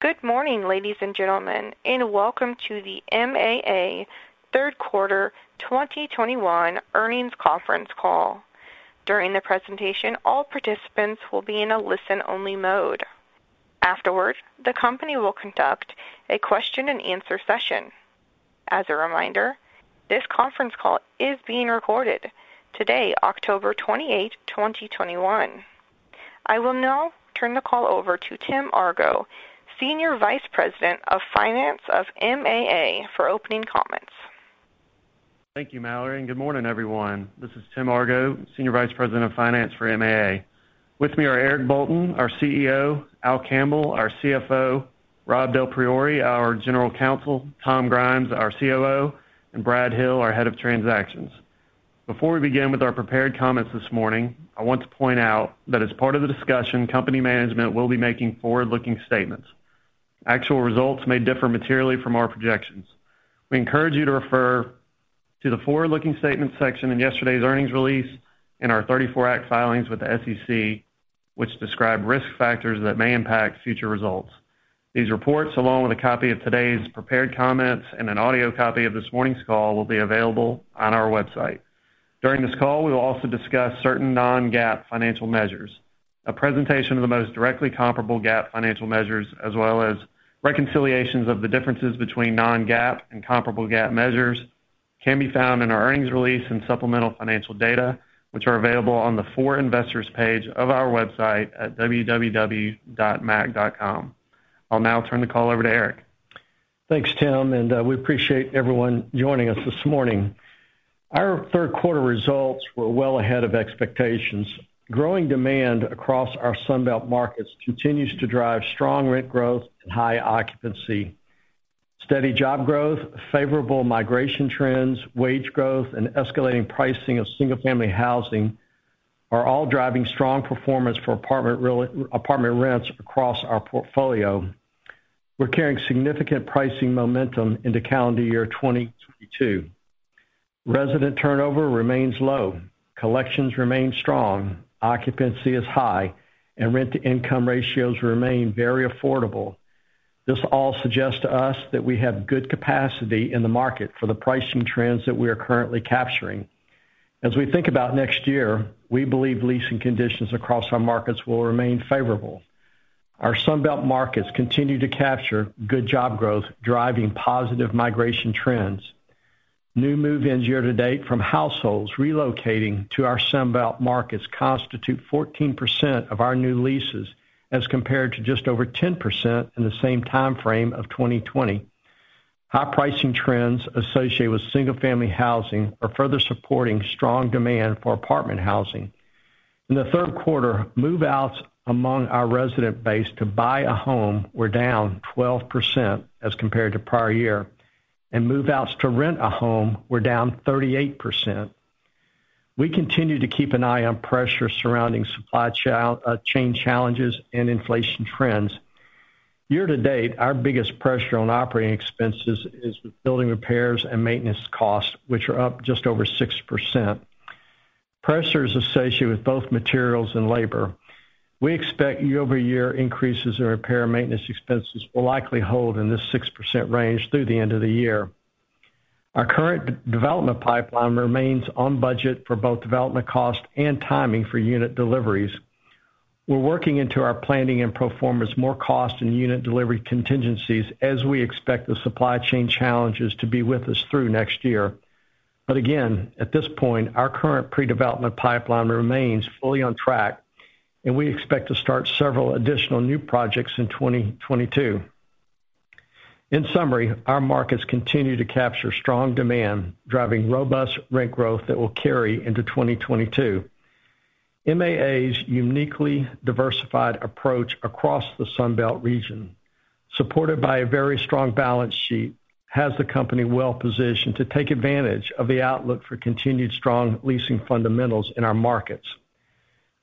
Good morning, ladies and gentlemen, and welcome to the MAA Third Quarter 2021 Earnings Conference Call. During the presentation, all participants will be in a listen-only mode. Afterwards, the company will conduct a question-and-answer session. As a reminder, this conference call is being recorded today, October 28, 2021. I will now turn the call over to Tim Argo, Senior Vice President of Finance of MAA for opening comments. Thank you, Mallory, and good morning, everyone. This is Tim Argo, Senior Vice President of Finance for MAA. With me are Eric Bolton, our CEO, Al Campbell, our CFO, Rob DelPriore, our General Counsel, Tom Grimes, our COO, and Brad Hill, our Head of Transactions. Before we begin with our prepared comments this morning, I want to point out that as part of the discussion, company management will be making forward-looking statements. Actual results may differ materially from our projections. We encourage you to refer to the Forward-Looking Statements section in yesterday's earnings release and our 1934 Act filings with the SEC, which describe risk factors that may impact future results. These reports, along with a copy of today's prepared comments and an audio copy of this morning's call will be available on our website. During this call, we will also discuss certain non-GAAP financial measures. A presentation of the most directly comparable GAAP financial measures, as well as reconciliations of the differences between non-GAAP and comparable GAAP measures, can be found in our earnings release and supplemental financial data, which are available on the For Investors page of our website at www.maac.com. I'll now turn the call over to Eric. Thanks, Tim, and we appreciate everyone joining us this morning. Our third quarter results were well ahead of expectations. Growing demand across our Sun Belt markets continues to drive strong rent growth and high occupancy. Steady job growth, favorable migration trends, wage growth, and escalating pricing of single-family housing are all driving strong performance for apartment rents across our portfolio. We're carrying significant pricing momentum into calendar year 2022. Resident turnover remains low, collections remain strong, occupancy is high, and rent-to-income ratios remain very affordable. This all suggests to us that we have good capacity in the market for the pricing trends that we are currently capturing. As we think about next year, we believe leasing conditions across our markets will remain favorable. Our Sun Belt markets continue to capture good job growth, driving positive migration trends. New move-ins year to date from households relocating to our Sun Belt markets constitute 14% of our new leases, as compared to just over 10% in the same timeframe of 2020. High pricing trends associated with single-family housing are further supporting strong demand for apartment housing. In the third quarter, move-outs among our resident base to buy a home were down 12% as compared to prior year, and move-outs to rent a home were down 38%. We continue to keep an eye on pressure surrounding supply chain challenges and inflation trends. Year-to-date, our biggest pressure on operating expenses is with building repairs and maintenance costs, which are up just over 6%. Pressure is associated with both materials and labor. We expect year-over-year increases in repair and maintenance expenses will likely hold in this 6% range through the end of the year. Our current development pipeline remains on budget for both development cost and timing for unit deliveries. We're working into our planning and pro formas more cost and unit delivery contingencies as we expect the supply chain challenges to be with us through next year. But again, at this point, our current pre-development pipeline remains fully on track, and we expect to start several additional new projects in 2022. In summary, our markets continue to capture strong demand, driving robust rent growth that will carry into 2022. MAA's uniquely diversified approach across the Sun Belt region, supported by a very strong balance sheet, has the company well-positioned to take advantage of the outlook for continued strong leasing fundamentals in our markets.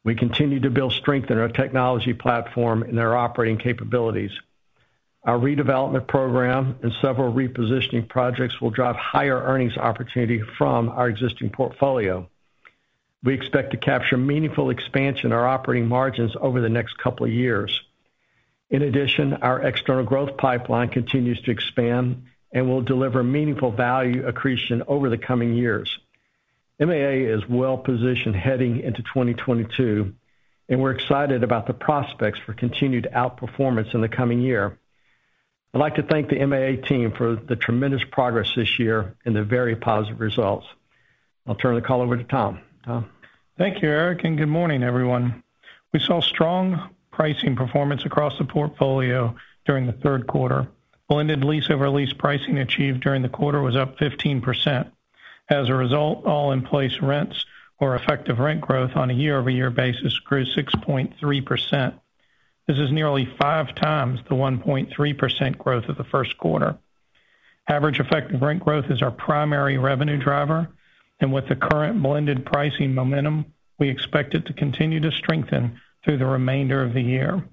We continue to build strength in our technology platform and our operating capabilities. Our redevelopment program and several repositioning projects will drive higher earnings opportunity from our existing portfolio. We expect to capture meaningful expansion in our operating margins over the next couple of years. In addition, our external growth pipeline continues to expand and will deliver meaningful value accretion over the coming years. MAA is well positioned heading into 2022, and we're excited about the prospects for continued outperformance in the coming year. I'd like to thank the MAA team for the tremendous progress this year and the very positive results. I'll turn the call over to Tom. Tom? Thank you, Eric, and good morning, everyone. We saw strong pricing performance across the portfolio during the third quarter. Blended lease-over-lease pricing achieved during the quarter was up 15%. As a result, all in-place rents or effective rent growth on a year-over-year basis grew 6.3%. This is nearly five times the 1.3% growth of the first quarter. Average effective rent growth is our primary revenue driver, and with the current blended pricing momentum, we expect it to continue to strengthen through the remainder of the year.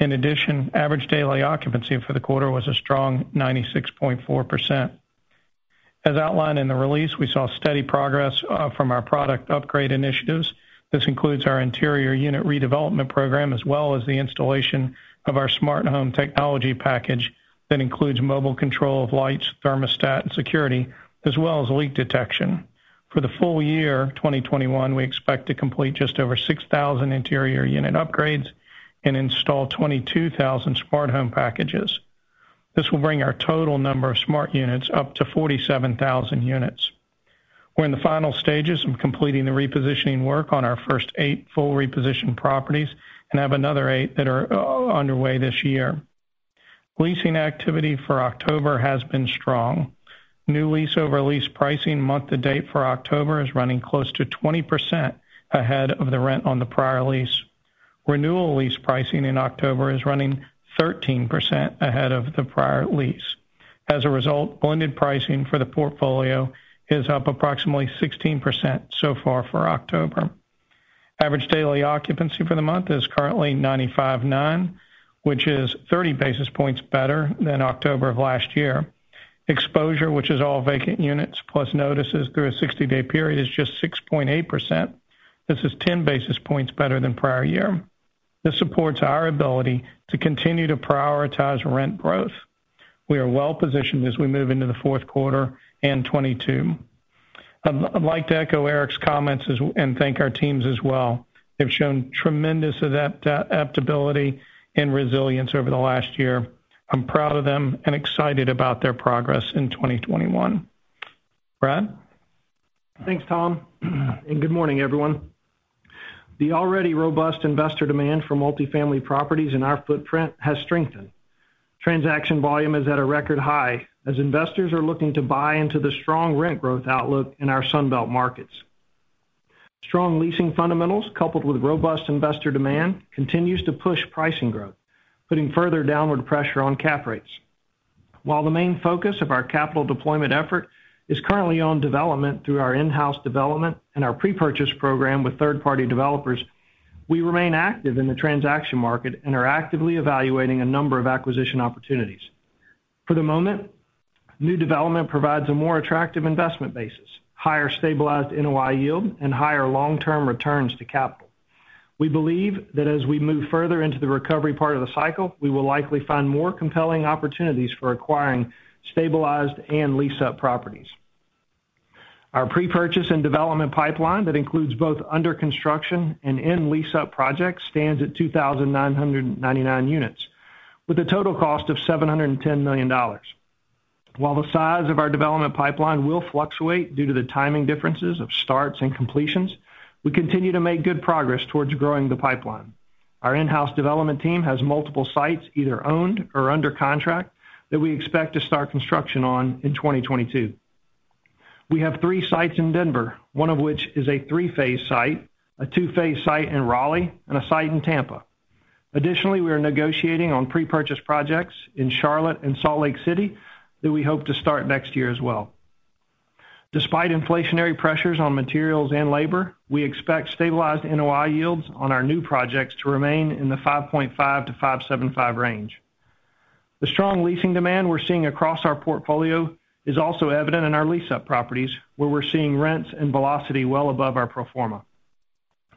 In addition, average daily occupancy for the quarter was a strong 96.4%. As outlined in the release, we saw steady progress from our product upgrade initiatives. This includes our interior unit redevelopment program, as well as the installation of our smart home technology package that includes mobile control of lights, thermostat, and security, as well as leak detection. For the full year 2021, we expect to complete just over 6,000 interior unit upgrades and install 22,000 smart home packages. This will bring our total number of smart units up to 47,000 units. We're in the final stages of completing the repositioning work on our first eight full reposition properties and have another eight that are underway this year. Leasing activity for October has been strong. New lease over lease pricing month to date for October is running close to 20% ahead of the rent on the prior lease. Renewal lease pricing in October is running 13% ahead of the prior lease. As a result, blended pricing for the portfolio is up approximately 16% so far for October. Average daily occupancy for the month is currently 95.9, which is 30 basis points better than October of last year. Exposure, which is all vacant units plus notices through a 60-day period, is just 6.8%. This is 10 basis points better than prior year. This supports our ability to continue to prioritize rent growth. We are well-positioned as we move into the fourth quarter and 2022. I'd like to echo Eric's comments and thank our teams as well. They've shown tremendous adaptability and resilience over the last year. I'm proud of them and excited about their progress in 2021. Brad? Thanks, Tom. Good morning, everyone. The already robust investor demand for multi-family properties in our footprint has strengthened. Transaction volume is at a record high as investors are looking to buy into the strong rent growth outlook in our Sun Belt markets. Strong leasing fundamentals coupled with robust investor demand continues to push pricing growth, putting further downward pressure on cap rates. While the main focus of our capital deployment effort is currently on development through our in-house development and our pre-purchase program with third-party developers, we remain active in the transaction market and are actively evaluating a number of acquisition opportunities. For the moment, new development provides a more attractive investment basis, higher stabilized NOI yield, and higher long-term returns to capital. We believe that as we move further into the recovery part of the cycle, we will likely find more compelling opportunities for acquiring stabilized and lease-up properties. Our pre-purchase and development pipeline that includes both under construction and in lease-up projects stands at 2,999 units with a total cost of $710 million. While the size of our development pipeline will fluctuate due to the timing differences of starts and completions, we continue to make good progress towards growing the pipeline. Our in-house development team has multiple sites either owned or under contract that we expect to start construction on in 2022. We have three sites in Denver, one of which is a three-phase site, a two-phase site in Raleigh, and a site in Tampa. Additionally, we are negotiating on pre-purchase projects in Charlotte and Salt Lake City that we hope to start next year as well. Despite inflationary pressures on materials and labor, we expect stabilized NOI yields on our new projects to remain in the 5.5-5.75 range. The strong leasing demand we're seeing across our portfolio is also evident in our lease-up properties, where we're seeing rents and velocity well above our pro forma.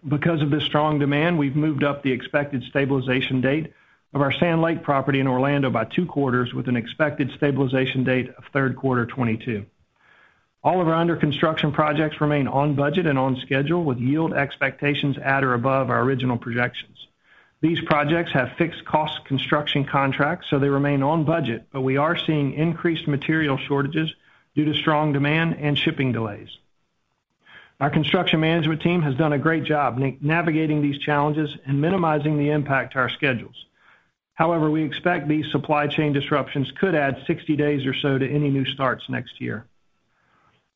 Because of this strong demand, we've moved up the expected stabilization date of our Sand Lake property in Orlando by two quarters with an expected stabilization date of third quarter 2022. All of our under construction projects remain on budget and on schedule with yield expectations at or above our original projections. These projects have fixed cost construction contracts, so they remain on budget, but we are seeing increased material shortages due to strong demand and shipping delays. Our construction management team has done a great job navigating these challenges and minimizing the impact to our schedules. However, we expect these supply chain disruptions could add 60 days or so to any new starts next year.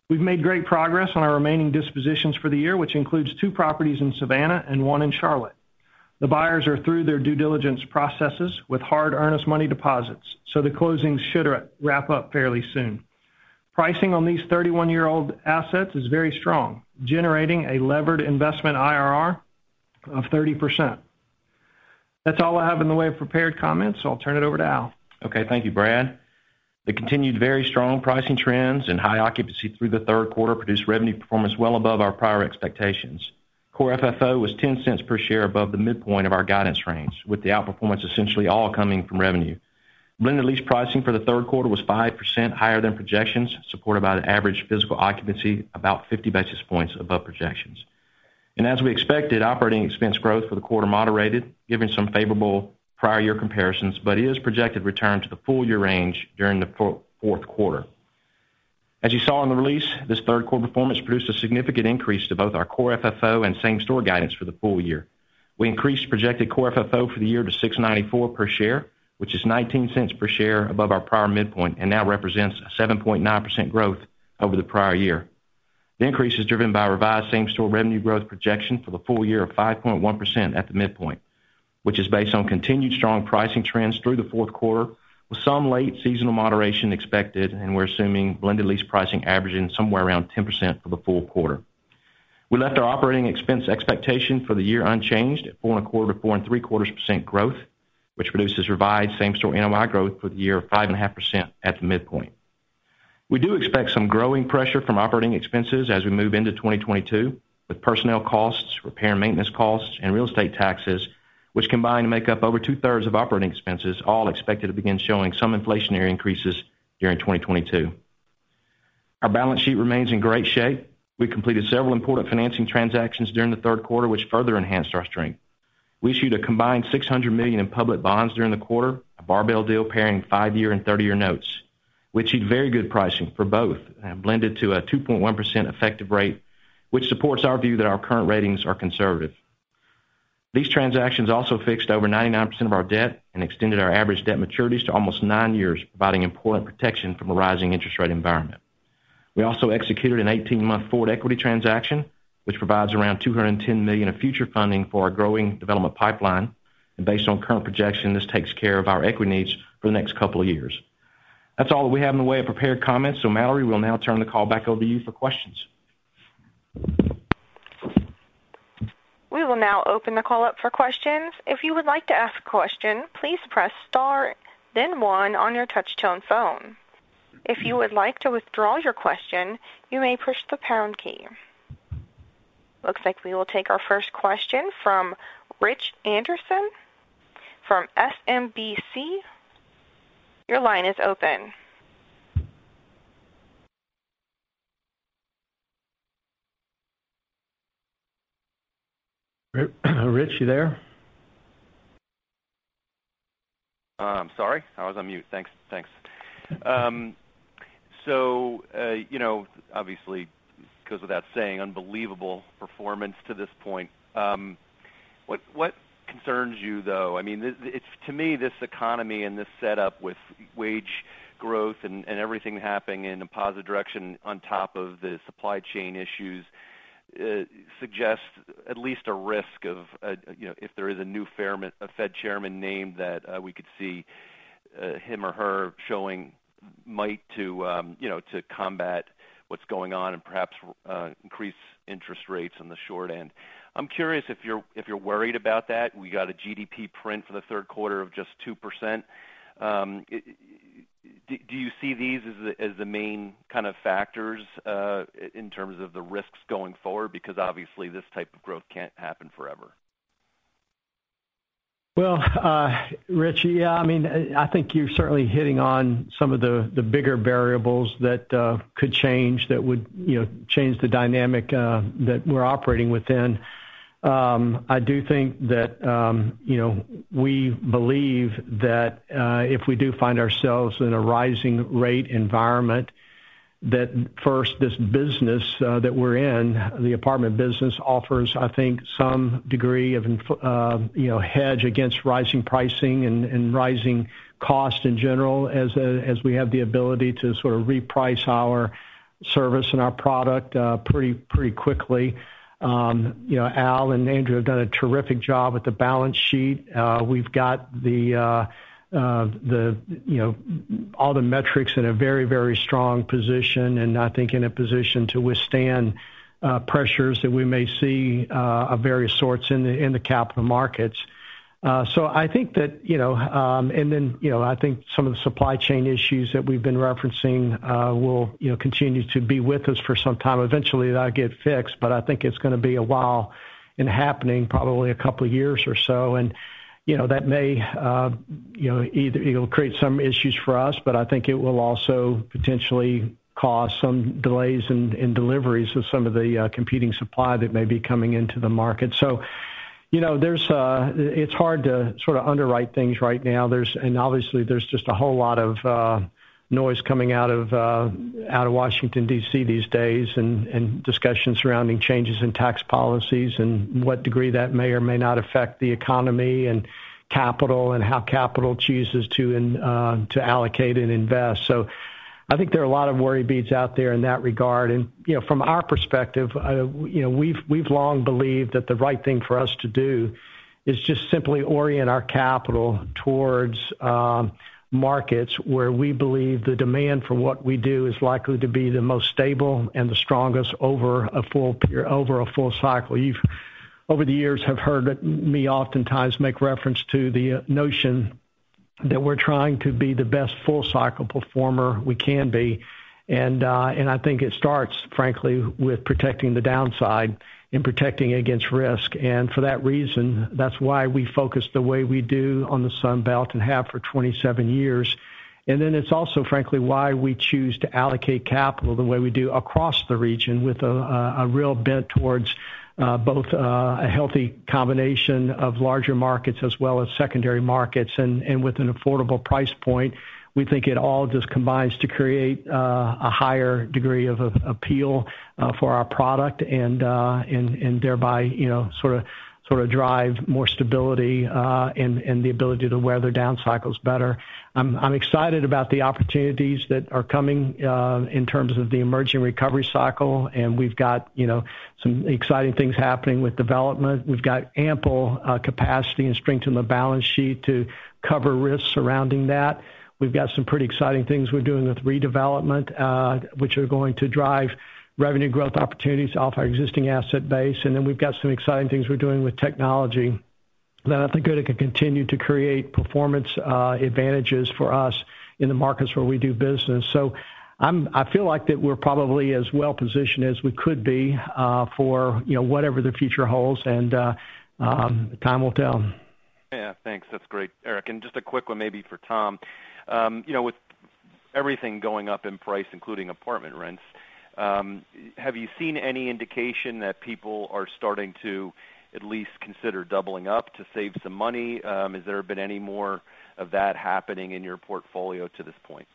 We've made great progress on our remaining dispositions for the year, which includes two properties in Savannah and one in Charlotte. The buyers are through their due diligence processes with hard earnest money deposits, so the closings should wrap up fairly soon. Pricing on these 31-year-old assets is very strong, generating a levered investment IRR of 30%. That's all I have in the way of prepared comments, so I'll turn it over to Al. Okay. Thank you, Brad. The continued very strong pricing trends and high occupancy through the third quarter produced revenue performance well above our prior expectations. Core FFO was $0.10 per share above the midpoint of our guidance range, with the outperformance essentially all coming from revenue. Blended lease pricing for the third quarter was 5% higher than projections, supported by an average physical occupancy about 50 basis points above projections. As we expected, operating expense growth for the quarter moderated, given some favorable prior year comparisons, but is projected to return to the full-year range during the fourth quarter. As you saw in the release, this third quarter performance produced a significant increase to both our core FFO and same-store guidance for the full year. We increased projected Core FFO for the year to $6.94 per share, which is $0.19 per share above our prior midpoint and now represents a 7.9% growth over the prior year. The increase is driven by revised same-store revenue growth projection for the full year of 5.1% at the midpoint, which is based on continued strong pricing trends through the fourth quarter with some late seasonal moderation expected, and we're assuming blended lease pricing averaging somewhere around 10% for the full quarter. We left our operating expense expectation for the year unchanged at 4.25%-4.75% growth, which produces revised same-store NOI growth for the year of 5.5% at the midpoint. We do expect some growing pressure from operating expenses as we move into 2022, with personnel costs, repair and maintenance costs, and real estate taxes, which combine to make up over 2/3 of operating expenses, all expected to begin showing some inflationary increases during 2022. Our balance sheet remains in great shape. We completed several important financing transactions during the third quarter, which further enhanced our strength. We issued a combined $600 million in public bonds during the quarter, a barbell deal pairing 5-year and 30-year notes, which had very good pricing for both, blended to a 2.1% effective rate, which supports our view that our current ratings are conservative. These transactions also fixed over 99% of our debt and extended our average debt maturities to almost 9 years, providing important protection from a rising interest rate environment. We also executed an 18-month forward equity transaction, which provides around $210 million of future funding for our growing development pipeline. Based on current projection, this takes care of our equity needs for the next couple of years. That's all we have in the way of prepared comments. Mallory, we'll now turn the call back over to you for questions. We will now open the call up for questions. If you would like to ask a question, please press star, then one on your touchtone phone. If you would like to withdraw your question, you may push the pound key. Looks like we will take our first question from Rich Anderson from SMBC. Your line is open. Rich, you there? I'm sorry. I was on mute. Thanks. You know, obviously, goes without saying, unbelievable performance to this point. What concerns you, though? I mean, it's to me, this economy and this setup with wage growth and everything happening in a positive direction on top of the supply chain issues suggests at least a risk of, you know, if there is a new Fed chairman named that we could see him or her showing might to combat what's going on and perhaps increase interest rates on the short end. I'm curious if you're worried about that. We got a GDP print for the third quarter of just 2%. Do you see these as the main kind of factors in terms of the risks going forward? Because obviously this type of growth can't happen forever. Well, Rich, yeah, I mean, I think you're certainly hitting on some of the bigger variables that could change that would, you know, change the dynamic that we're operating within. I do think that, you know, we believe that if we do find ourselves in a rising rate environment, that first, this business that we're in, the apartment business, offers, I think some degree of inflation hedge against rising pricing and rising costs in general as we have the ability to sort of reprice our service and our product pretty quickly. You know, Al and Andrew have done a terrific job with the balance sheet. We've got the you know, all the metrics in a very, very strong position, and I think in a position to withstand pressures that we may see of various sorts in the capital markets. I think that, you know, then, you know, I think some of the supply chain issues that we've been referencing will, you know, continue to be with us for some time. Eventually, that'll get fixed, but I think it's going to be a while in happening, probably a couple of years or so. You know, that may, you know, either it'll create some issues for us, but I think it will also potentially cause some delays in deliveries of some of the competing supply that may be coming into the market. You know, it's hard to sort of underwrite things right now. Obviously, there's just a whole lot of noise coming out of Washington, D.C. these days, and discussions surrounding changes in tax policies and what degree that may or may not affect the economy and capital and how capital chooses to allocate and invest. I think there are a lot of worry beads out there in that regard. You know, from our perspective, you know, we've long believed that the right thing for us to do is just simply orient our capital towards markets where we believe the demand for what we do is likely to be the most stable and the strongest over a full year, over full cycle. You've, over the years, have heard me oftentimes make reference to the notion that we're trying to be the best full cycle performer we can be. I think it starts, frankly, with protecting the downside and protecting against risk. For that reason, that's why we focus the way we do on the Sun Belt and have for 27 years. Then it's also, frankly, why we choose to allocate capital the way we do across the region with a real bent towards both a healthy combination of larger markets as well as secondary markets and with an affordable price point. We think it all just combines to create a higher degree of appeal for our product and thereby, you know, sort of drive more stability and the ability to weather down cycles better. I'm excited about the opportunities that are coming in terms of the emerging recovery cycle, and we've got, you know, some exciting things happening with development. We've got ample capacity and strength in the balance sheet to cover risks surrounding that. We've got some pretty exciting things we're doing with redevelopment, which are going to drive revenue growth opportunities off our existing asset base. We've got some exciting things we're doing with technology. I think it could continue to create performance advantages for us in the markets where we do business. I feel like that we're probably as well positioned as we could be for, you know, whatever the future holds, and time will tell. Yeah. Thanks. That's great, Eric. Just a quick one maybe for Tom. You know, with everything going up in price, including apartment rents, have you seen any indication that people are starting to at least consider doubling up to save some money? Has there been any more of that happening in your portfolio to this point?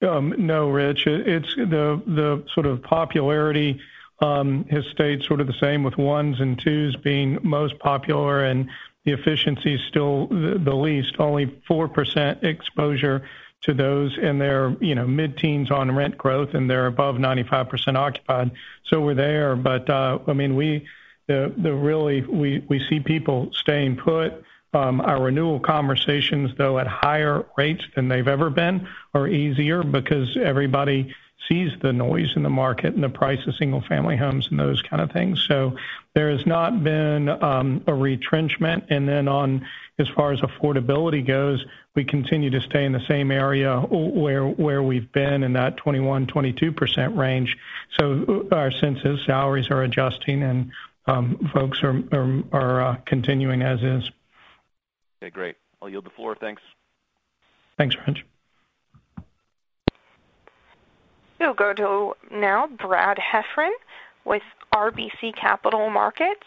No, Rich. It's the sort of popularity has stayed sort of the same with ones and twos being most popular, and the efficiency is still the least, only 4% exposure to those, and they're, you know, mid-teens on rent growth, and they're above 95% occupied. We're there. But, I mean, we see people staying put. Our renewal conversations, though, at higher rates than they've ever been, are easier because everybody sees the noise in the market and the price of single-family homes and those kind of things. There has not been a retrenchment. Then on as far as affordability goes, we continue to stay in the same area where we've been in that 21%-22% range. Our sense is salaries are adjusting and folks are continuing as is. Okay, great. I'll yield the floor. Thanks. Thanks, Rich. We'll go to now Brad Heffern with RBC Capital Markets.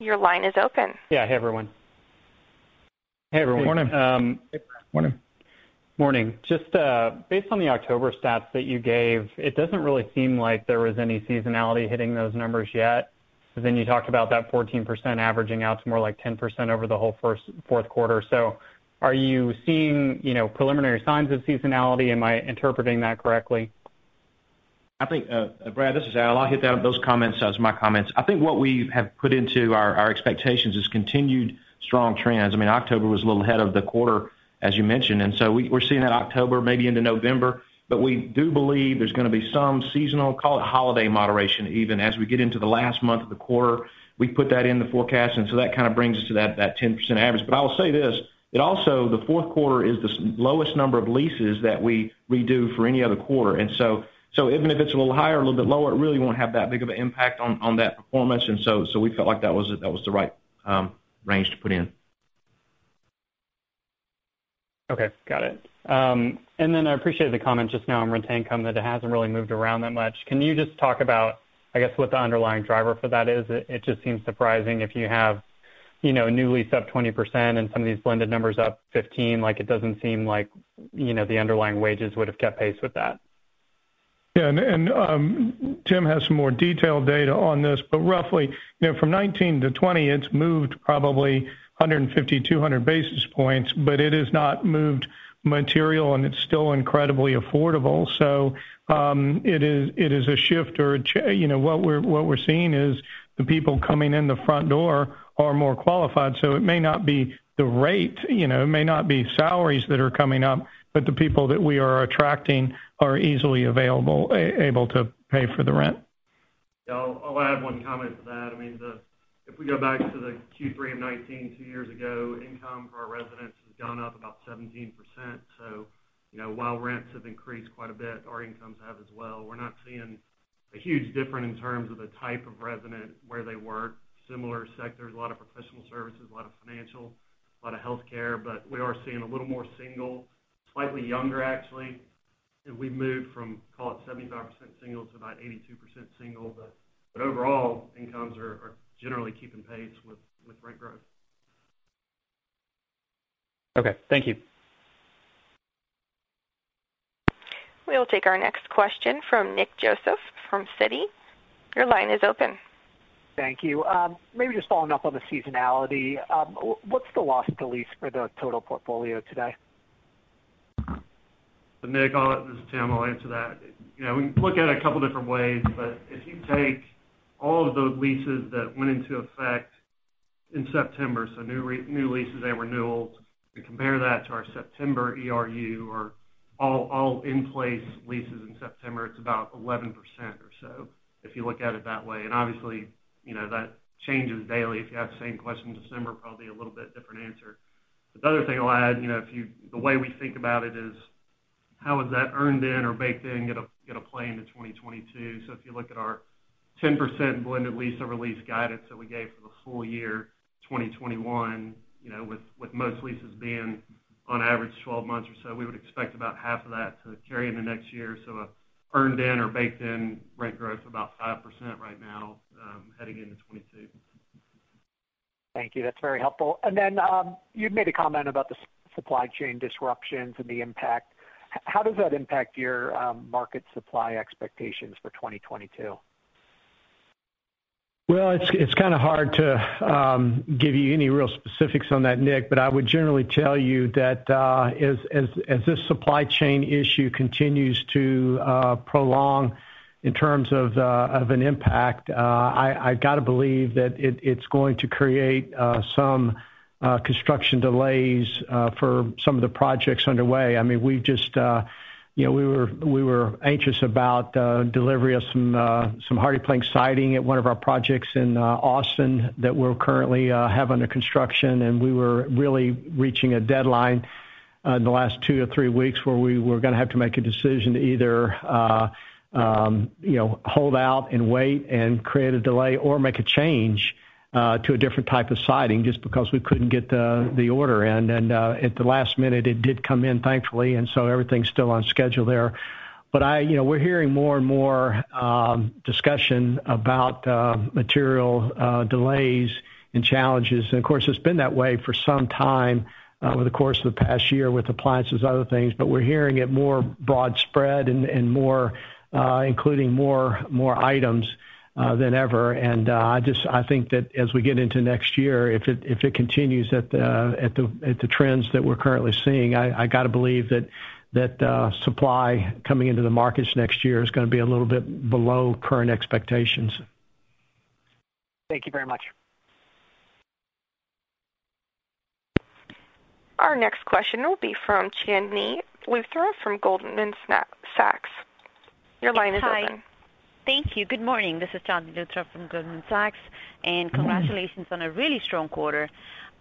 Your line is open. Yeah. Hey, everyone. Hey, good morning. Um. Morning. Morning. Just based on the October stats that you gave, it doesn't really seem like there was any seasonality hitting those numbers yet. You talked about that 14% averaging out to more like 10% over the whole fourth quarter. Are you seeing, you know, preliminary signs of seasonality? Am I interpreting that correctly? I think, Brad, this is Al. I'll hit that. Those comments as my comments. I think what we have put into our expectations is continued strong trends. I mean, October was a little ahead of the quarter, as you mentioned, and so we're seeing that October maybe into November. We do believe there's gonna be some seasonal, call it holiday moderation, even as we get into the last month of the quarter. We put that in the forecast, and so that kind of brings us to that 10% average. I will say this, it also, the fourth quarter is the slowest number of leases that we redo for any other quarter. Even if it's a little higher or a little bit lower, it really won't have that big of an impact on that performance. We felt like that was the right range to put in. Okay. Got it. I appreciate the comment just now on rent income that it hasn't really moved around that much. Can you just talk about, I guess, what the underlying driver for that is? It just seems surprising if you have, you know, a new lease up 20% and some of these blended numbers up 15%, like, it doesn't seem like, you know, the underlying wages would have kept pace with that. Tim has some more detailed data on this, but roughly, you know, from 2019 to 2020, it's moved probably 150-200 basis points, but it has not moved materially, and it's still incredibly affordable. It is a shift or you know, what we're seeing is the people coming in the front door are more qualified. It may not be the rate, you know, it may not be salaries that are coming up, but the people that we are attracting are easily able to pay for the rent. Yeah. I'll add one comment to that. I mean, the. If we go back to the Q3 of 2019, two years ago, income for our residents has gone up about 17%. You know, while rents have increased quite a bit, our incomes have as well. We're not seeing a huge difference in terms of the type of resident where they work, similar sectors, a lot of professional services, a lot of financial, a lot of healthcare. We are seeing a little more single, slightly younger, actually. We've moved from, call it 75% single to about 82% single. Overall, incomes are generally keeping pace with rent growth. Okay. Thank you. We'll take our next question from Nick Joseph from Citi. Your line is open. Thank you. Maybe just following up on the seasonality. What's the loss to lease for the total portfolio today? Nick, this is Tim. I'll answer that. You know, we can look at it a couple different ways, but if you take all of those leases that went into effect in September, so new leases and renewals, and compare that to our September ERU or all in place leases in September, it's about 11% or so, if you look at it that way. Obviously, you know, that changes daily. If you have the same question in December, probably a little bit different answer. The other thing I'll add, you know, the way we think about it is how is that earned in or baked in gonna play into 2022? If you look at our 10% blended lease-over-lease guidance that we gave for the full year, 2021, you know, with most leases being on average 12 months or so, we would expect about half of that to carry into next year. Earned in or baked in rent growth of about 5% right now, heading into 2022. Thank you. That's very helpful. You'd made a comment about the supply chain disruptions and the impact. How does that impact your market supply expectations for 2022? Well, it's kind of hard to give you any real specifics on that, Nick, but I would generally tell you that as this supply chain issue continues to prolong in terms of an impact, I've got to believe that it's going to create some construction delays for some of the projects underway. I mean, we just, you know, we were anxious about delivery of some Hardie® Plank siding at one of our projects in Austin that we're currently have under construction, and we were really reaching a deadline. In the last two or three weeks where we were gonna have to make a decision to either you know, hold out and wait and create a delay or make a change to a different type of siding just because we couldn't get the order in. At the last minute it did come in, thankfully, and so everything's still on schedule there. You know, we're hearing more and more discussion about material delays and challenges. Of course, it's been that way for some time over the course of the past year with appliances, other things, but we're hearing it more widespread and more, including more items than ever. I think that as we get into next year, if it continues at the trends that we're currently seeing, I gotta believe that supply coming into the markets next year is gonna be a little bit below current expectations. Thank you very much. Our next question will be from Chandni Luthra from Goldman Sachs. Your line is open. Hi. Thank you. Good morning. This is Chandni Luthra from Goldman Sachs. Congratulations on a really strong quarter.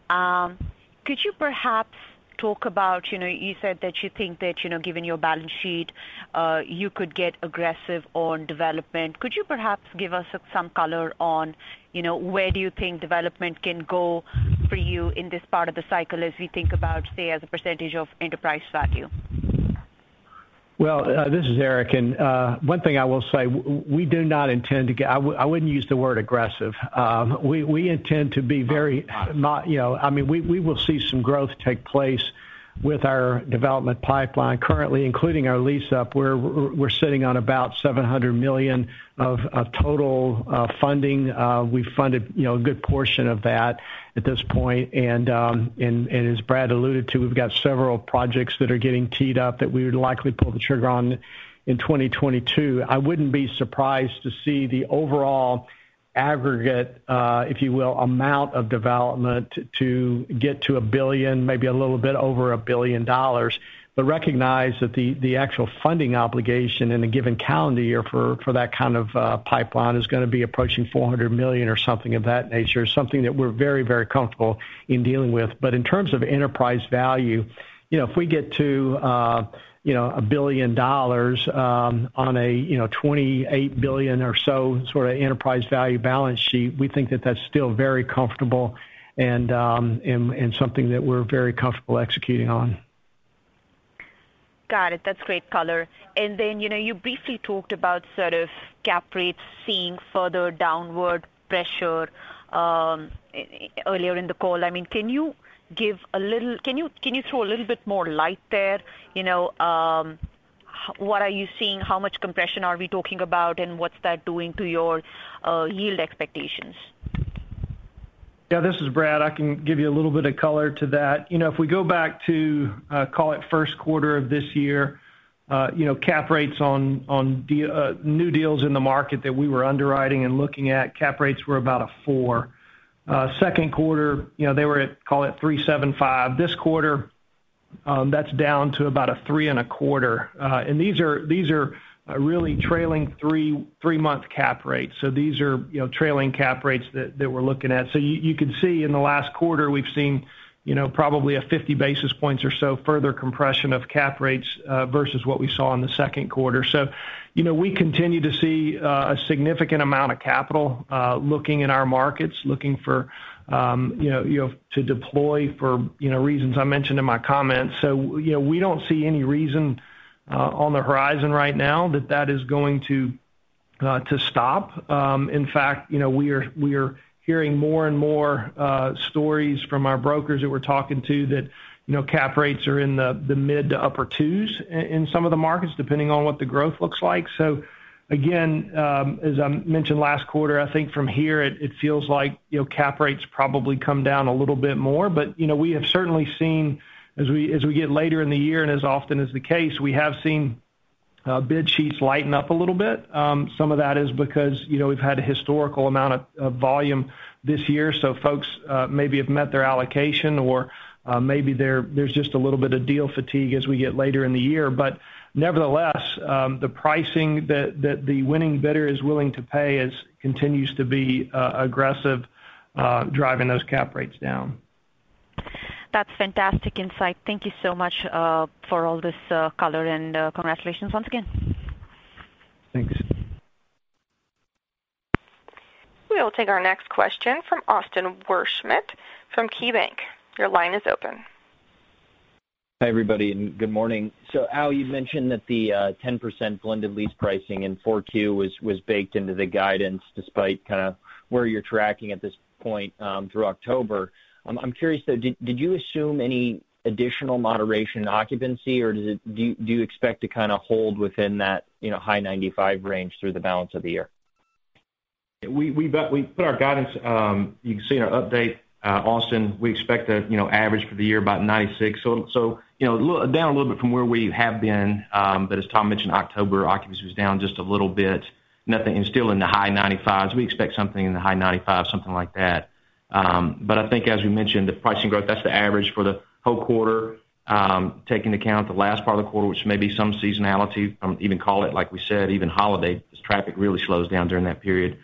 Could you perhaps talk about, you know, you said that you think that, you know, given your balance sheet, you could get aggressive on development. Could you perhaps give us some color on, you know, where do you think development can go for you in this part of the cycle as we think about, say, as a percentage of enterprise value? Well, this is Eric. One thing I will say, I wouldn't use the word aggressive. We intend to be very- Got it. No, you know, I mean, we will see some growth take place with our development pipeline currently, including our lease up, where we're sitting on about $700 million of total funding. We've funded, you know, a good portion of that at this point. And as Brad alluded to, we've got several projects that are getting teed up that we would likely pull the trigger on in 2022. I wouldn't be surprised to see the overall aggregate, if you will, amount of development to get to $1 billion, maybe a little bit over $1 billion dollars. But recognize that the actual funding obligation in a given calendar year for that kind of pipeline is gonna be approaching $400 million or something of that nature, something that we're very comfortable in dealing with. In terms of enterprise value, you know, if we get to $1 billion, on a $28 billion or so sort of enterprise value balance sheet, we think that that's still very comfortable and something that we're very comfortable executing on. Got it. That's great color. You know, you briefly talked about sort of cap rates seeing further downward pressure earlier in the call. I mean, can you throw a little bit more light there? You know, what are you seeing? How much compression are we talking about, and what's that doing to your yield expectations? Yeah. This is Brad. I can give you a little bit of color to that. You know, if we go back to, call it first quarter of this year, you know, cap rates on new deals in the market that we were underwriting and looking at, cap rates were about 4%. Second quarter, you know, they were at, call it 3.75%. This quarter, that's down to about 3.25%. These are really trailing 3-month cap rates. These are, you know, trailing cap rates that we're looking at. You could see in the last quarter, we've seen, you know, probably 50 basis points or so further compression of cap rates, versus what we saw in the second quarter. You know, we continue to see a significant amount of capital looking in our markets, looking for you know to deploy for you know reasons I mentioned in my comments. You know, we don't see any reason on the horizon right now that is going to stop. In fact, you know, we are hearing more and more stories from our brokers that we're talking to that you know cap rates are in the mid-2s to upper-2s in some of the markets, depending on what the growth looks like. Again, as I mentioned last quarter, I think from here it feels like you know cap rates probably come down a little bit more. You know, we have certainly seen, as we get later in the year and as often is the case, we have seen bid sheets lighten up a little bit. Some of that is because, you know, we've had a historical amount of volume this year, so folks maybe have met their allocation or maybe there's just a little bit of deal fatigue as we get later in the year. Nevertheless, the pricing that the winning bidder is willing to pay is continues to be aggressive, driving those cap rates down. That's fantastic insight. Thank you so much, for all this, color, and, congratulations once again. Thanks. We'll take our next question from Austin Wurschmidt from KeyBanc. Your line is open. Hi, everybody, and good morning. Al, you've mentioned that the 10% blended lease pricing in Q4 was baked into the guidance despite kind of where you're tracking at this point through October. I'm curious, though. Did you assume any additional moderation in occupancy, or do you expect to kinda hold within that, you know, high 95% range through the balance of the year? We put our guidance, you can see in our update, Austin, we expect the average for the year about 96%. Down a little bit from where we have been, but as Tom mentioned, October occupancy was down just a little bit. Nothing. It's still in the high 95s. We expect something in the high 95, something like that. But I think as we mentioned, the pricing growth, that's the average for the whole quarter, taking into account the last part of the quarter, which may be some seasonality. I wouldn't even call it, like we said, even holiday, because traffic really slows down during that period.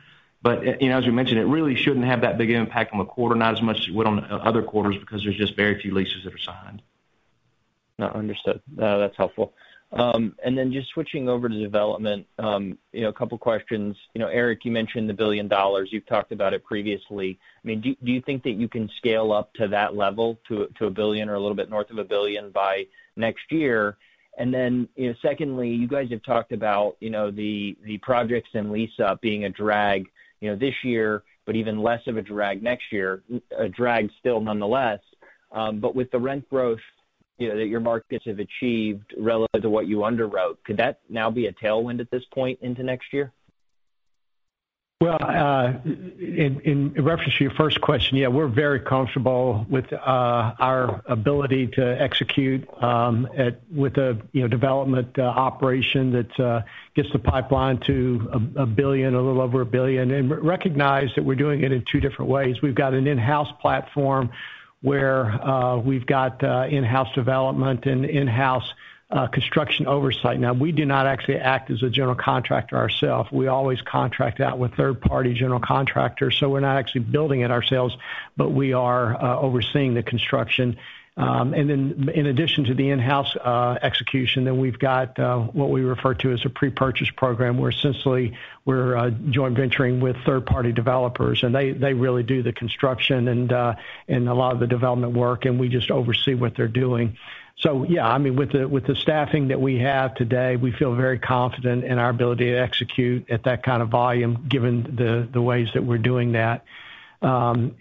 You know, as we mentioned, it really shouldn't have that big impact on the quarter, not as much as it would on other quarters because there's just very few leases that are signed. No, understood. No, that's helpful. Then just switching over to development, a couple questions. You know, Eric, you mentioned the $1 billion. You've talked about it previously. I mean, do you think that you can scale up to that level to a $1 billion or a little bit north of a $1 billion by next year? Secondly, you guys have talked about the projects in lease-up being a drag this year, but even less of a drag next year. A drag still nonetheless, but with the rent growth that your markets have achieved relative to what you underwrote, could that now be a tailwind at this point into next year? Well, in reference to your first question, yeah, we're very comfortable with our ability to execute with the, you know, development operation that gets the pipeline to $1 billion, a little over $1 billion, and recognize that we're doing it in two different ways. We've got an in-house platform where we've got in-house development and in-house construction oversight. Now, we do not actually act as a general contractor ourselves. We always contract out with third-party general contractors, so we're not actually building it ourselves, but we are overseeing the construction. Then in addition to the in-house execution, then we've got what we refer to as a pre-purchase program, where essentially we're joint venturing with third-party developers. They really do the construction and a lot of the development work, and we just oversee what they're doing. Yeah, I mean, with the staffing that we have today, we feel very confident in our ability to execute at that kind of volume given the ways that we're doing that. I'm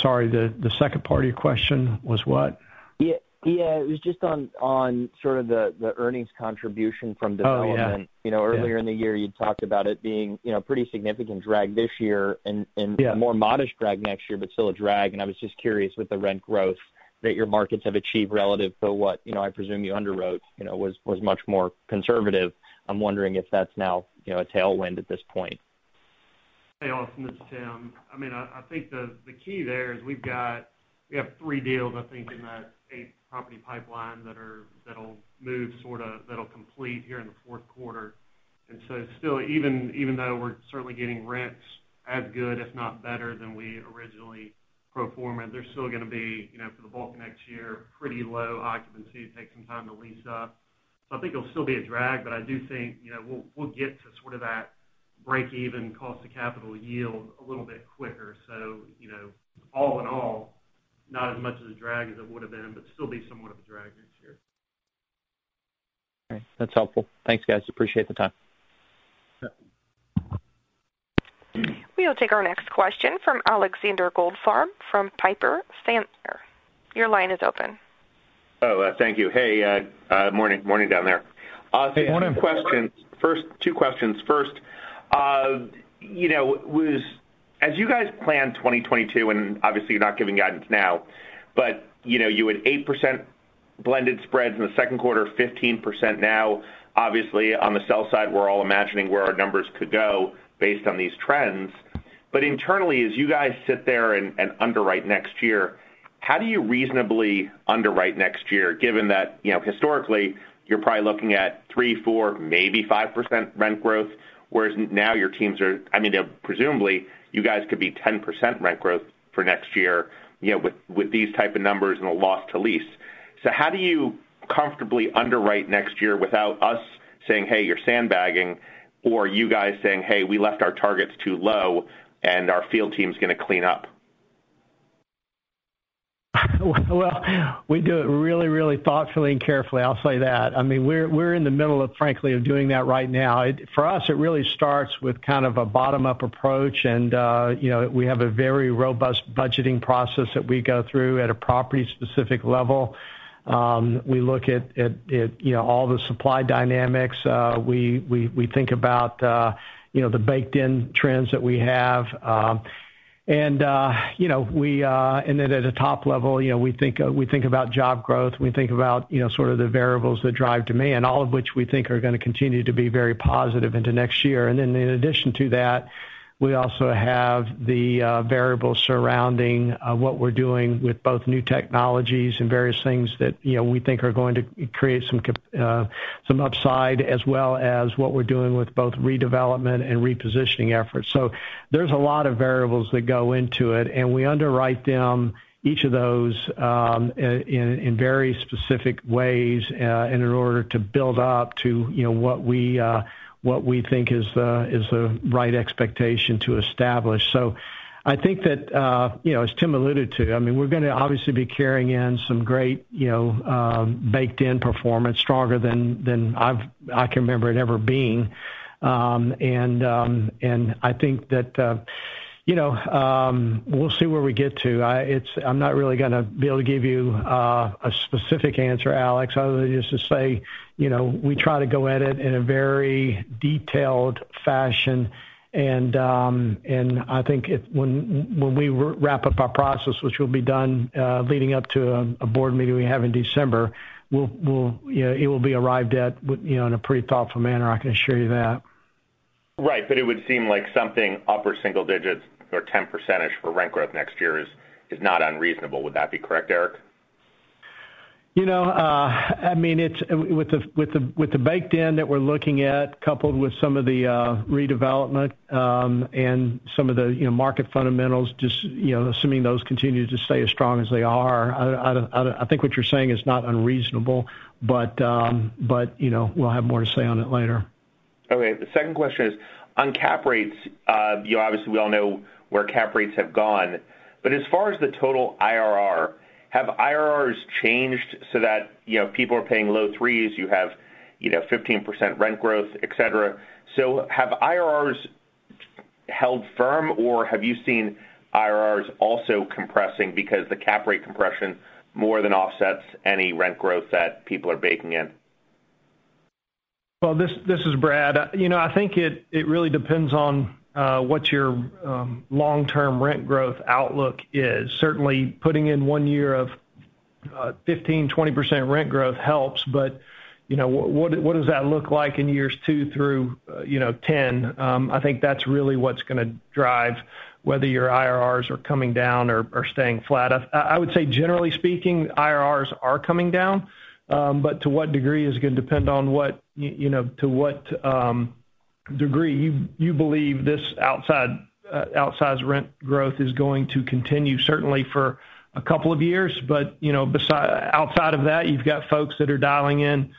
sorry, the second part of your question was what? Yeah. It was just on sort of the earnings contribution from development. Oh, yeah. You know, earlier in the year, you talked about it being, you know, pretty significant drag this year and more modest drag next year, but still a drag. I was just curious with the rent growth that your markets have achieved relative to what, you know, I presume you underwrote, you know, was much more conservative. I'm wondering if that's now, you know, a tailwind at this point. Hey, Austin, this is Tim. I mean, I think the key there is we have 3 deals, I think, in that 8-property pipeline that'll complete here in the fourth quarter. Still, even though we're certainly getting rents as good, if not better, than we originally pro forma'd, they're still gonna be, you know, for the bulk of next year, pretty low occupancy, take some time to lease up. I think it'll still be a drag, but I do think, you know, we'll get to sort of that break-even cost to capital yield a little bit quicker. You know, all in all, not as much of a drag as it would've been, but still be somewhat of a drag next year. All right. That's helpful. Thanks, guys. Appreciate the time. Yeah. We'll take our next question from Alexander Goldfarb, from Piper Sandler. Your line is open. Oh, thank you. Hey, morning down there. Good morning. First, two questions. First, you know, as you guys plan 2022, and obviously you're not giving guidance now, but you know you had 8% blended spreads in the second quarter, 15% now. Obviously, on the sell side, we're all imagining where our numbers could go based on these trends. Internally, as you guys sit there and underwrite next year, how do you reasonably underwrite next year given that, you know, historically, you're probably looking at 3%, 4%, maybe 5% rent growth, whereas now your teams are. I mean, presumably, you guys could be 10% rent growth for next year, you know, with these type of numbers and a loss to lease. How do you comfortably underwrite next year without us saying, "Hey, you're sandbagging," or you guys saying, "Hey, we left our targets too low and our field team's gonna clean up"? Well, we do it really, really thoughtfully and carefully, I'll say that. I mean, we're in the middle of, frankly, doing that right now. For us, it really starts with kind of a bottom-up approach. You know, we have a very robust budgeting process that we go through at a property-specific level. We look at you know all the supply dynamics. We think about you know the baked-in trends that we have. You know, and then at a top level, you know, we think about job growth. We think about you know sort of the variables that drive demand, all of which we think are gonna continue to be very positive into next year. Then in addition to that, we also have the variables surrounding what we're doing with both new technologies and various things that, you know, we think are going to create some upside, as well as what we're doing with both redevelopment and repositioning efforts. There's a lot of variables that go into it, and we underwrite them, each of those, in very specific ways in order to build up to, you know, what we think is the right expectation to establish. I think that, you know, as Tim alluded to, I mean, we're gonna obviously be carrying in some great, you know, baked-in performance, stronger than I can remember it ever being. I think that, you know, we'll see where we get to. I'm not really gonna be able to give you a specific answer, Alex, other than just to say, you know, we try to go at it in a very detailed fashion. I think when we wrap up our process, which will be done leading up to a board meeting we have in December, we'll, you know, it will be arrived at with, you know, in a pretty thoughtful manner, I can assure you that. Right. It would seem like something upper single digits or 10% for rent growth next year is not unreasonable. Would that be correct, Eric? You know, I mean, it's with the baked in that we're looking at, coupled with some of the redevelopment and some of the, you know, market fundamentals, just, you know, assuming those continue to stay as strong as they are. I think what you're saying is not unreasonable, but, you know, we'll have more to say on it later. Okay. The second question is on cap rates. You know, obviously, we all know where cap rates have gone. But as far as the total IRR, have IRRs changed so that, you know, people are paying low threes, you have, you know, 15% rent growth, et cetera. Have IRRs held firm, or have you seen IRRs also compressing because the cap rate compression more than offsets any rent growth that people are baking in? Well, this is Brad. You know, I think it really depends on what your long-term rent growth outlook is. Certainly, putting in one year of 15%-20% rent growth helps, but you know, what does that look like in years 2 through 10? I think that's really what's gonna drive whether your IRRs are coming down or staying flat. I would say, generally speaking, IRRs are coming down. To what degree is gonna depend on what you know, to what degree you believe this outside outsize rent growth is going to continue certainly for a couple of years. You know, outside of that, you've got folks that are dialing in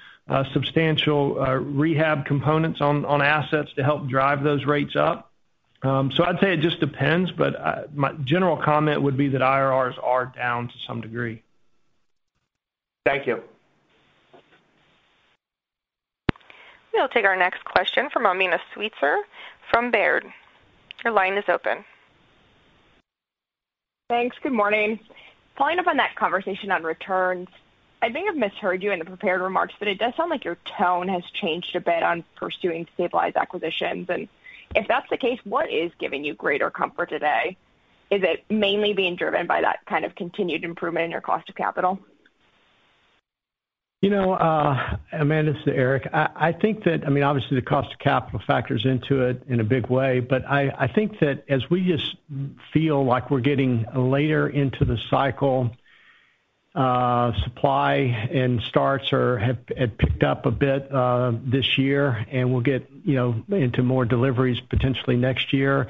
substantial rehab components on assets to help drive those rates up. I'd say it just depends, but, my general comment would be that IRRs are down to some degree. Thank you. We'll take our next question from Amanda Sweitzer from Baird. Your line is open. Thanks. Good morning. Following up on that conversation on returns, I think I've misheard you in the prepared remarks, but it does sound like your tone has changed a bit on pursuing stabilized acquisitions. If that's the case, what is giving you greater comfort today? Is it mainly being driven by that kind of continued improvement in your cost of capital? You know, Amanda, this is Eric. I think that, I mean, obviously the cost of capital factors into it in a big way, but I think that as we just feel like we're getting later into the cycle, supply and starts have picked up a bit this year, and we'll get, you know, into more deliveries potentially next year.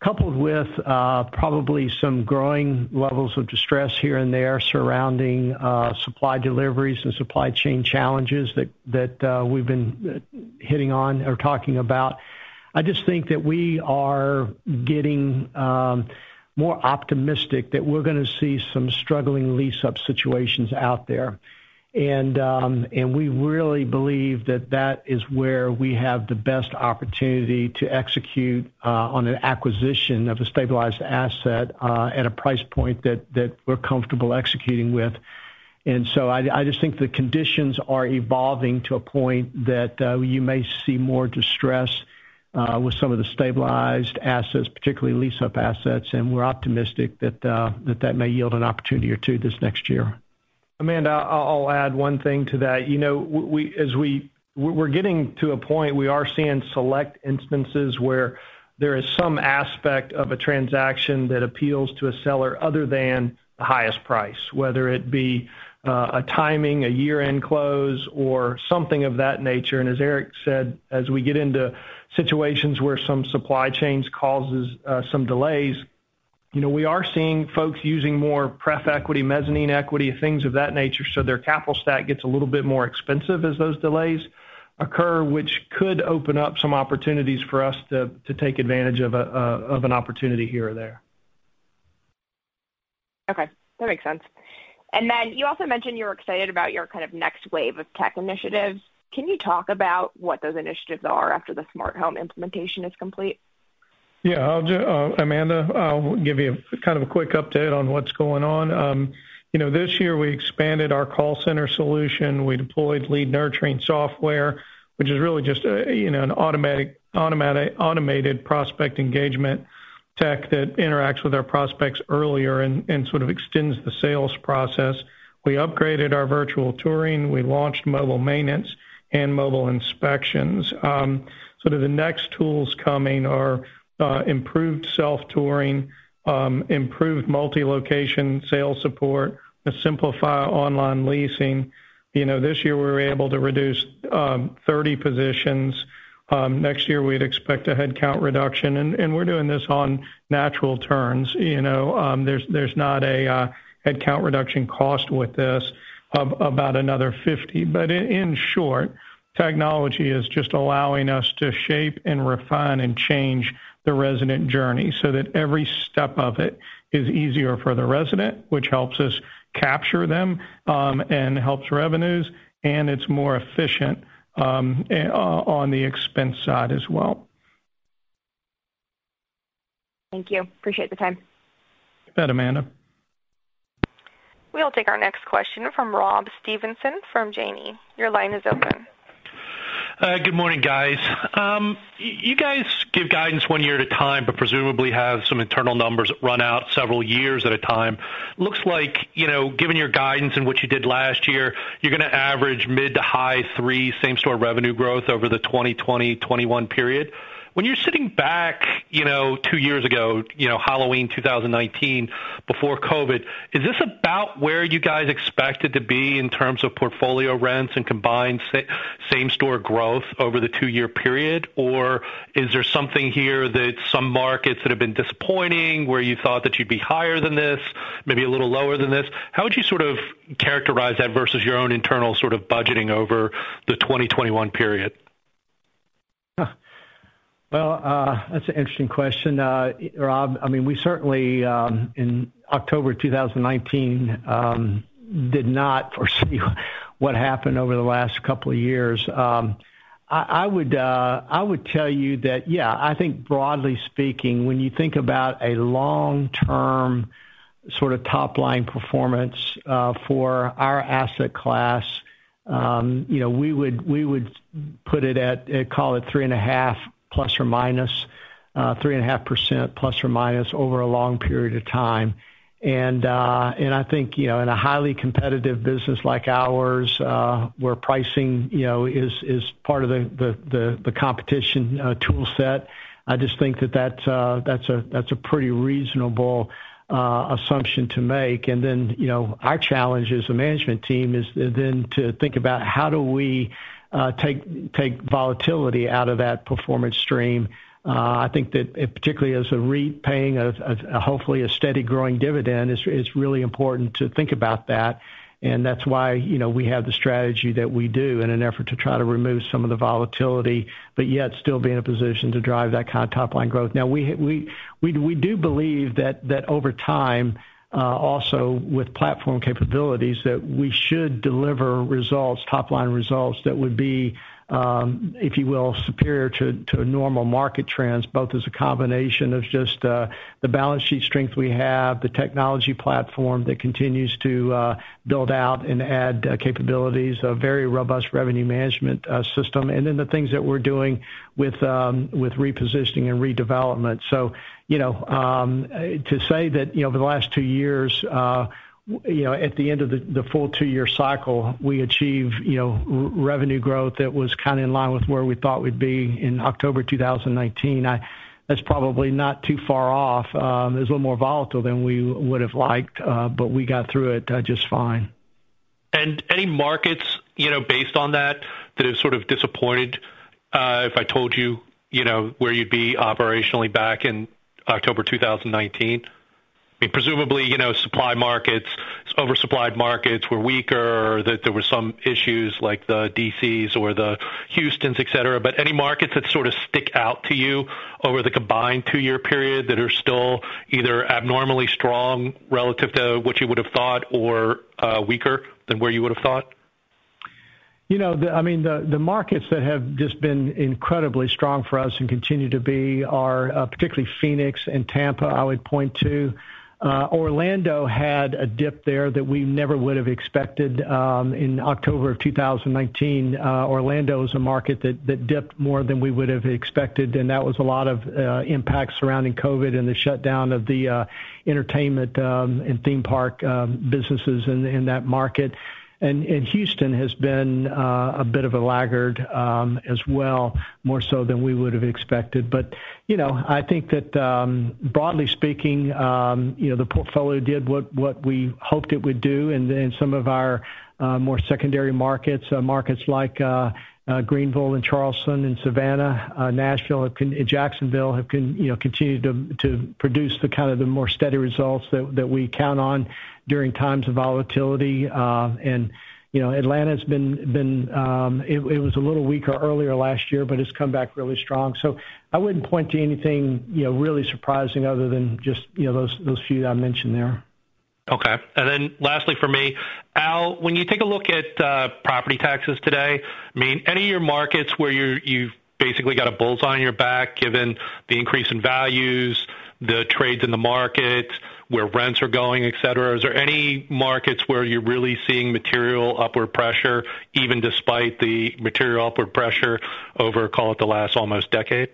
Coupled with probably some growing levels of distress here and there surrounding supply deliveries and supply chain challenges that we've been hitting on or talking about. I just think that we are getting more optimistic that we're gonna see some struggling lease-up situations out there. We really believe that is where we have the best opportunity to execute on an acquisition of a stabilized asset at a price point that we're comfortable executing with. I just think the conditions are evolving to a point that you may see more distress with some of the stabilized assets, particularly lease-up assets, and we're optimistic that that may yield an opportunity or two this next year. Amanda, I'll add one thing to that. You know, we're getting to a point. We are seeing select instances where there is some aspect of a transaction that appeals to a seller other than the highest price, whether it be a timing, a year-end close, or something of that nature. As Eric said, as we get into situations where some supply chain issues cause some delays, you know, we are seeing folks using more pref equity, mezzanine equity, things of that nature, so their capital stack gets a little bit more expensive as those delays occur, which could open up some opportunities for us to take advantage of an opportunity here or there. Okay, that makes sense. You also mentioned you were excited about your kind of next wave of tech initiatives. Can you talk about what those initiatives are after the Smart Home implementation is complete? Yeah. Amanda, I'll give you a kind of a quick update on what's going on. You know, this year we expanded our call center solution. We deployed lead nurturing software, which is really just a you know an automated prospect engagement tech that interacts with our prospects earlier and sort of extends the sales process. We upgraded our virtual touring. We launched mobile maintenance and mobile inspections. The next tools coming are improved self-touring, improved multi-location sales support to simplify online leasing. You know, this year we were able to reduce 30 positions. Next year we'd expect a headcount reduction, and we're doing this on natural terms. You know, there's not a headcount reduction cost with this of about another 50. In short, technology is just allowing us to shape and refine and change the resident journey so that every step of it is easier for the resident, which helps us capture them, and helps revenues, and it's more efficient, on the expense side as well. Thank you. I appreciate the time. You bet, Amanda. We'll take our next question from Rob Stevenson from Janney. Your line is open. Good morning, guys. You guys give guidance one year at a time, but presumably have some internal numbers run out several years at a time. Looks like, you know, given your guidance and what you did last year, you're gonna average mid- to high-3% same-store revenue growth over the 2020-2021 period. When you're sitting back, you know, 2 years ago, you know, Halloween 2019, before COVID, is this about where you guys expected to be in terms of portfolio rents and combined same-store growth over the 2-year period? Or is there something here that some markets that have been disappointing, where you thought that you'd be higher than this, maybe a little lower than this? How would you sort of characterize that versus your own internal sort of budgeting over the 2021 period? Well, that's an interesting question, Rob. I mean, we certainly in October 2019 did not foresee what happened over the last couple of years. I would tell you that, yeah, I think broadly speaking, when you think about a long-term sort of top-line performance for our asset class, you know, we would put it at, call .t ±3.5% over a long period of time. I think, you know, in a highly competitive business like ours, where pricing, you know, is part of the competition toolset, I just think that that's a pretty reasonable assumption to make. Then, you know, our challenge as a management team is then to think about how do we take volatility out of that performance stream. I think that, particularly as a REIT paying of hopefully a steady growing dividend, it's really important to think about that, and that's why, you know, we have the strategy that we do in an effort to try to remove some of the volatility, but yet still be in a position to drive that kind of top-line growth. Now, we do believe that over time, also with platform capabilities, that we should deliver results, top-line results that would be, if you will, superior to a normal market trends, both as a combination of just the balance sheet strength we have, the technology platform that continues to build out and add capabilities, a very robust revenue management system, and then the things that we're doing with repositioning and redevelopment. You know, to say that, you know, over the last two years, you know, at the end of the full two-year cycle, we achieved, you know, revenue growth that was kind of in line with where we thought we'd be in October 2019. That's probably not too far off. It was a little more volatile than we would have liked, but we got through it, just fine. Any markets, you know, based on that have sort of disappointed, if I told you know, where you'd be operationally back in October 2019? I mean, presumably, you know, supply markets, oversupplied markets were weaker, or that there were some issues like the D.C.s or the Houstons, et cetera. Any markets that sort of stick out to you over the combined 2-year period that are still either abnormally strong relative to what you would have thought or, weaker than where you would have thought? You know, I mean, the markets that have just been incredibly strong for us and continue to be are particularly Phoenix and Tampa, I would point to. Orlando had a dip there that we never would have expected in October 2019. Orlando is a market that dipped more than we would have expected, and that was a lot of impact surrounding COVID and the shutdown of the entertainment and theme park businesses in that market. Houston has been a bit of a laggard as well, more so than we would have expected. You know, I think that broadly speaking, you know, the portfolio did what we hoped it would do. Then some of our more secondary markets like Greenville and Charleston and Savannah, Nashville and Jacksonville have continued to produce the kind of the more steady results that we count on during times of volatility. You know, Atlanta's been. It was a little weaker earlier last year, but it's come back really strong. I wouldn't point to anything you know really surprising other than just you know those few that I mentioned there. Okay. Lastly for me, Al, when you take a look at property taxes today, I mean, any of your markets where you've basically got a bull's eye on your back, given the increase in values, the trades in the markets, where rents are going, et cetera, is there any markets where you're really seeing material upward pressure, even despite the material upward pressure over, call it, the last almost decade?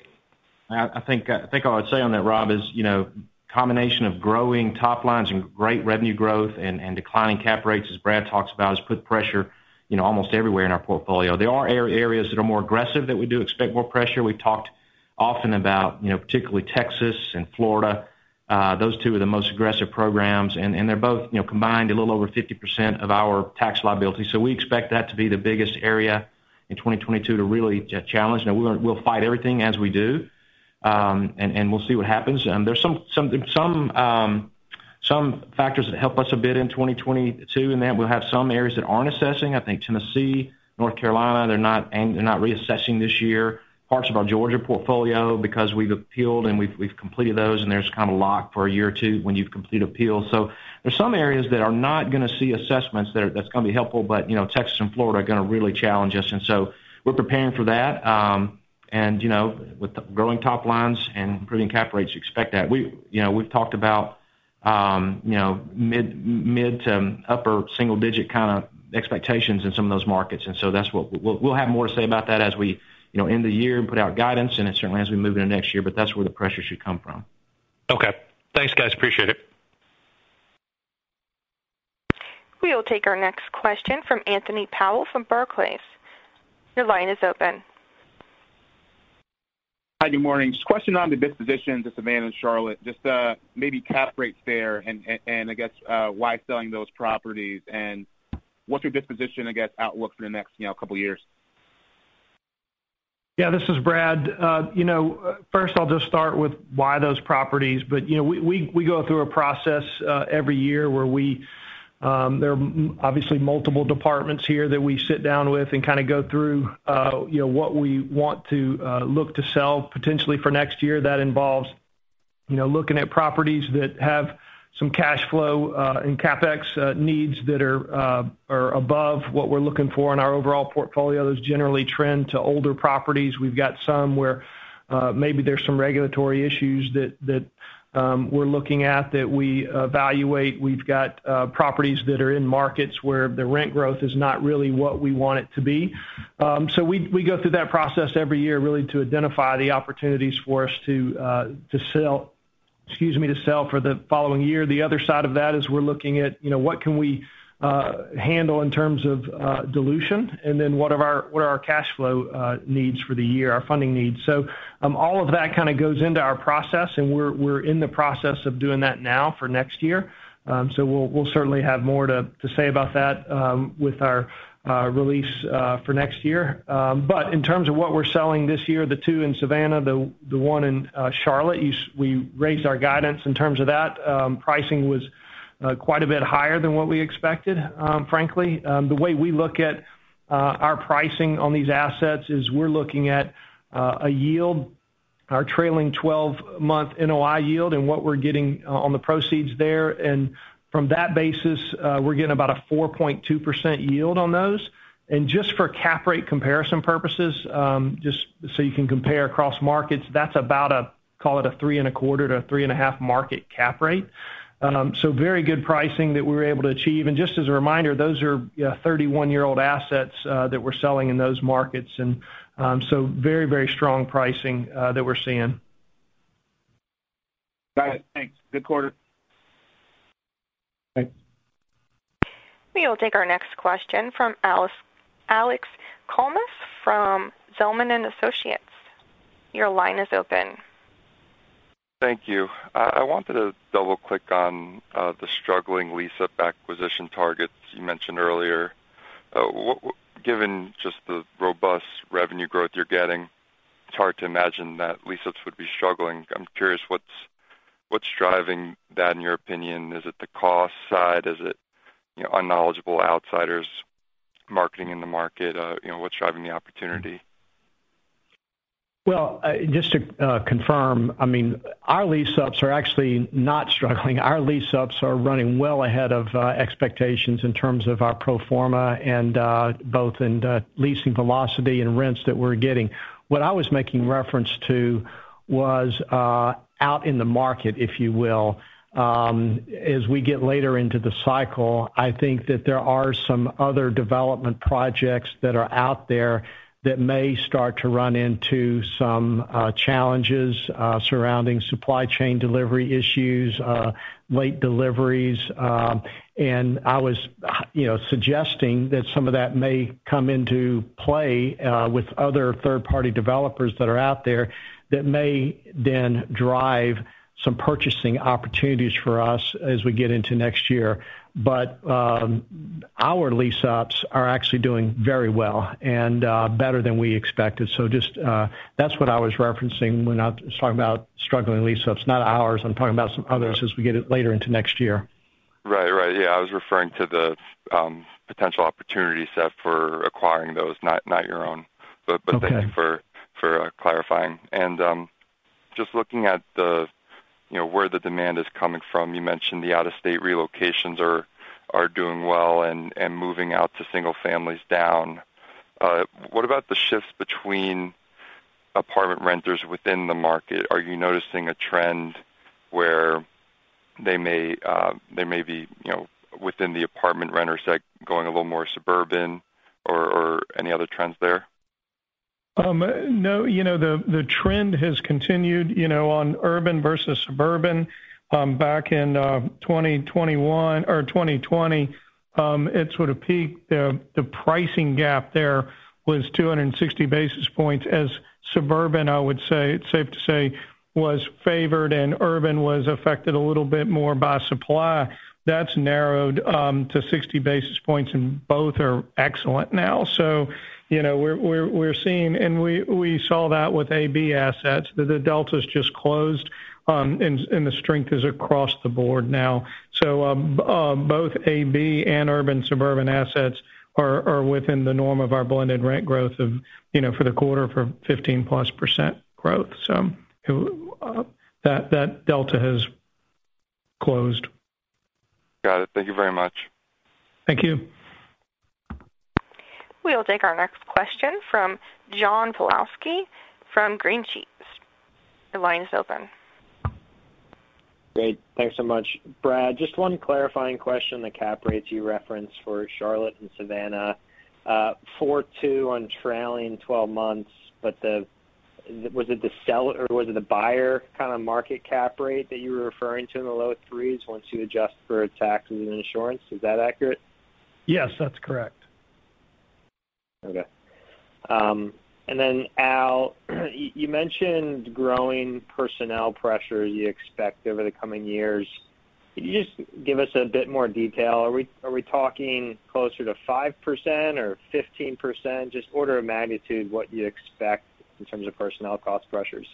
I think what I'd say on that, Rob, is, you know, combination of growing top lines and great revenue growth and declining cap rates, as Brad talks about, has put pressure, you know, almost everywhere in our portfolio. There are areas that are more aggressive that we do expect more pressure. We've talked often about, you know, particularly Texas and Florida. Those two are the most aggressive programs, and they're both, you know, combined a little over 50% of our tax liability. We expect that to be the biggest area in 2022 to really challenge. Now we'll fight everything as we do, and we'll see what happens. There's some factors that help us a bit in 2022, in that we'll have some areas that aren't assessing. I think Tennessee, North Carolina, they're not reassessing this year. Parts of our Georgia portfolio because we've appealed, and we've completed those, and there's kind of lock for a year or two when you complete appeals. There's some areas that are not gonna see assessments that's gonna be helpful, but you know, Texas and Florida are gonna really challenge us. We're preparing for that, and you know, with the growing top lines and improving cap rates, expect that. We you know, we've talked about you know, mid to upper single digit kind of expectations in some of those markets. That's what, we'll have more to say about that as we, you know, end the year and put out guidance, and then certainly as we move into next year, but that's where the pressure should come from. Okay. Thanks, guys. Appreciate it. We'll take our next question from Anthony Powell from Barclays. Your line is open. Hi, good morning. Just a question on the dispositions of Savannah and Charlotte. Just, maybe cap rates there and, I guess, why selling those properties and what's your disposition, I guess, outlook for the next, you know, couple years? Yeah, this is Brad. You know, first I'll just start with why those properties. You know, we go through a process every year where we there are obviously multiple departments here that we sit down with and kind of go through you know what we want to look to sell potentially for next year. That involves you know looking at properties that have some cash flow and CapEx needs that are above what we're looking for in our overall portfolio. Those generally trend to older properties. We've got some where maybe there's some regulatory issues that we're looking at that we evaluate. We've got properties that are in markets where the rent growth is not really what we want it to be. We go through that process every year, really to identify the opportunities for us to sell for the following year. The other side of that is we're looking at, you know, what can we handle in terms of dilution, and then what are our cash flow needs for the year, our funding needs. All of that kind of goes into our process, and we're in the process of doing that now for next year. We'll certainly have more to say about that with our release for next year. In terms of what we're selling this year, the two in Savannah, the one in Charlotte, we raised our guidance in terms of that. Pricing was quite a bit higher than what we expected. Frankly, the way we look at our pricing on these assets is we're looking at a yield, our trailing 12-month NOI yield, and what we're getting on the proceeds there. From that basis, we're getting about a 4.2% yield on those. Just for cap rate comparison purposes, just so you can compare across markets, that's about a, call it a 3.25%-3.5% market cap rate. So very good pricing that we were able to achieve. Just as a reminder, those are 31-year-old assets that we're selling in those markets. So very, very strong pricing that we're seeing. Got it. Thanks. Good quarter. Thanks. We will take our next question from Alex Kalmus from Zelman & Associates. Your line is open. Thank you. I wanted to double-click on the struggling lease-up acquisition targets you mentioned earlier. Given just the robust revenue growth you're getting, it's hard to imagine that lease-ups would be struggling. I'm curious, what's driving that, in your opinion? Is it the cost side? Is it, you know, unknowledgeable outsiders marketing in the market? You know, what's driving the opportunity? Well, just to confirm, I mean, our lease-ups are actually not struggling. Our lease-ups are running well ahead of expectations in terms of our pro forma and both in the leasing velocity and rents that we're getting. What I was making reference to was out in the market, if you will. As we get later into the cycle, I think that there are some other development projects that are out there that may start to run into some challenges surrounding supply chain delivery issues, late deliveries. I was you know suggesting that some of that may come into play with other third-party developers that are out there that may then drive some purchasing opportunities for us as we get into next year. Our lease-ups are actually doing very well and better than we expected. Just, that's what I was referencing when I was talking about struggling lease-ups, not ours. I'm talking about some others as we get it later into next year. Right. Yeah, I was referring to the potential opportunity set for acquiring those, not your own. Okay. Thank you for clarifying. Just looking at the, you know, where the demand is coming from, you mentioned the out-of-state relocations are doing well and moving out to single families down. What about the shifts between apartment renters within the market? Are you noticing a trend where they may be, you know, within the apartment renter sector going a little more suburban or any other trends there? No, you know, the trend has continued, you know, on urban versus suburban. Back in 2021 or 2020, it sort of peaked. The pricing gap there was 260 basis points as suburban, I would say, it's safe to say, was favored and urban was affected a little bit more by supply. That's narrowed to 60 basis points, and both are excellent now. You know, we're seeing, and we saw that with AB assets, that the delta's just closed, and the strength is across the board now. Both AB and urban suburban assets are within the norm of our blended rent growth of, you know, for the quarter for 15%+ growth. That delta has closed. Got it. Thank you very much. Thank you. We'll take our next question from John Pawlowski from Green Street. Your line is open. Great. Thanks so much. Brad, just one clarifying question, the cap rates you referenced for Charlotte and Savannah. 4.2% on trailing-twelve-month, but the, was it or was it the buyer kind of market cap rate that you were referring to in the low threes once you adjust for taxes and insurance? Is that accurate? Yes, that's correct. Okay. Al, you mentioned growing personnel pressure you expect over the coming years. Could you just give us a bit more detail? Are we talking closer to 5% or 15%? Just order of magnitude, what you expect in terms of personnel cost pressures.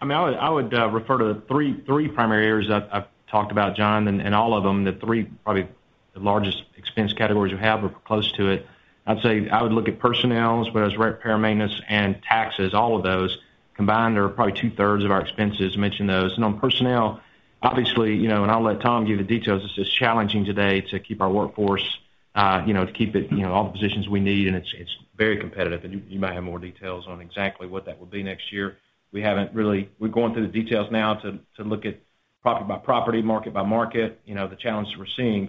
I mean, I would refer to three primary areas that I've talked about, John, and all of them, the three probably the largest expense categories we have or close to it. I'd say I would look at personnel as well as repair, maintenance, and taxes. All of those combined are probably 2/3 of our expenses, mentioned those. On personnel, obviously, you know, and I'll let Tom give the details. It's just challenging today to keep our workforce, you know, to keep it, you know, all the positions we need, and it's very competitive. You may have more details on exactly what that will be next year. We haven't really. We're going through the details now to look at property by property, market by market, you know, the challenges we're seeing.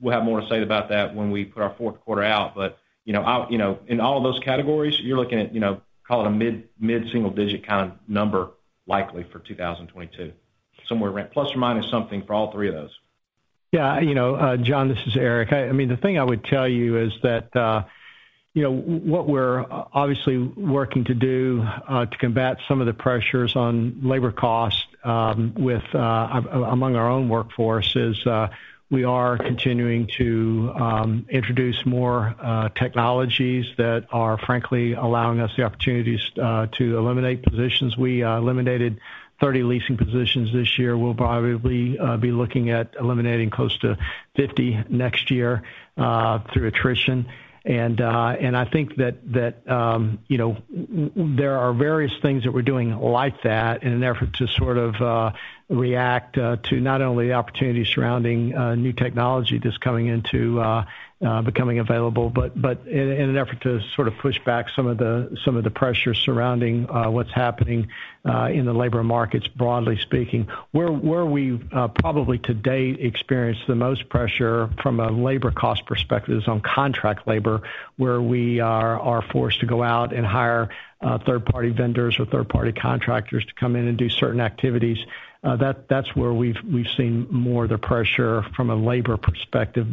We'll have more to say about that when we put our fourth quarter out. You know, I'll, you know, in all of those categories, you're looking at, you know, call it a mid-single digit kind of number likely for 2022. Somewhere around plus or minus something for all three of those. Yeah. You know, John, this is Eric. I mean, the thing I would tell you is that, you know, what we're obviously working to do, to combat some of the pressures on labor costs, with, among our own workforce is, we are continuing to, introduce more, technologies that are frankly allowing us the opportunities, to eliminate positions. We eliminated 30 leasing positions this year. We'll probably, be looking at eliminating close to 50 next year, through attrition. I think that you know there are various things that we're doing like that in an effort to sort of react to not only the opportunities surrounding new technology that's coming into becoming available, but in an effort to sort of push back some of the pressures surrounding what's happening in the labor markets, broadly speaking. Where we probably to date experience the most pressure from a labor cost perspective is on contract labor, where we are forced to go out and hire third-party vendors or third-party contractors to come in and do certain activities. That's where we've seen more of the pressure from a labor perspective.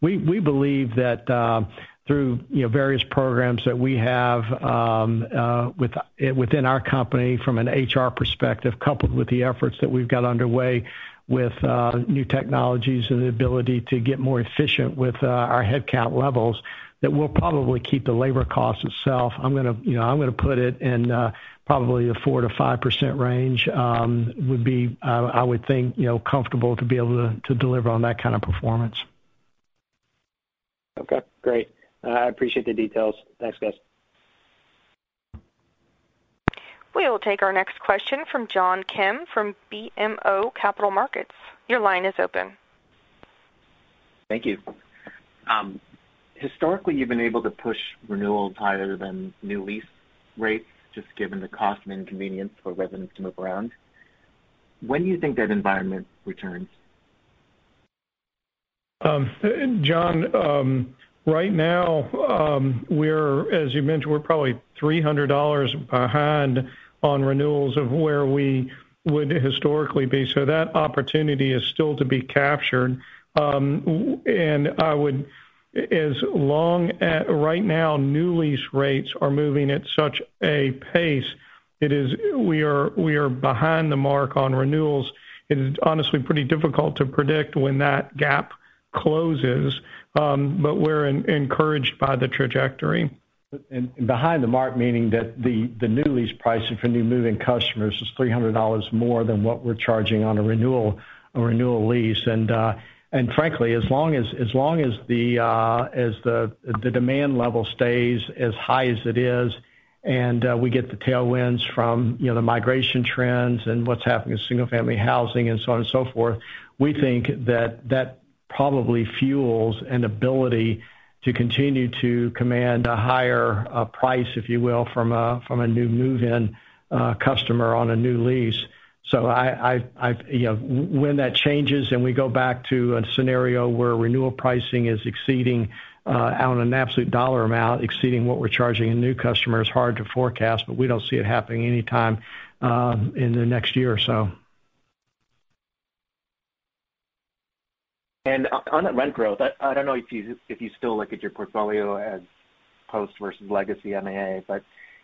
We believe that through, you know, various programs that we have within our company from an HR perspective, coupled with the efforts that we've got underway with new technologies and the ability to get more efficient with our headcount levels, that we'll probably keep the labor cost itself. I'm gonna, you know, put it in probably the 4%-5% range. I would think, you know, comfortable to be able to deliver on that kind of performance. Okay, great. I appreciate the details. Thanks, guys. We will take our next question from John Kim from BMO Capital Markets. Your line is open. Thank you. Historically, you've been able to push renewals higher than new lease rates, just given the cost and inconvenience for residents to move around. When do you think that environment returns? John, right now, as you mentioned, we're probably $300 behind on renewals of where we would historically be. So that opportunity is still to be captured. Right now, new lease rates are moving at such a pace. We are behind the mark on renewals. It is honestly pretty difficult to predict when that gap closes, but we're encouraged by the trajectory. Behind the mark, meaning that the new lease pricing for new move-in customers is $300 more than what we're charging on a renewal lease. Frankly, as long as the demand level stays as high as it is, we get the tailwinds from, you know, the migration trends and what's happening with single-family housing and so on and so forth, we think that probably fuels an ability to continue to command a higher price, if you will, from a new move-in customer on a new lease. I, you know, when that changes and we go back to a scenario where renewal pricing is exceeding on an absolute dollar amount, exceeding what we're charging a new customer is hard to forecast, but we don't see it happening anytime in the next year or so. On the rent growth, I don't know if you still look at your portfolio as post versus legacy MAA, but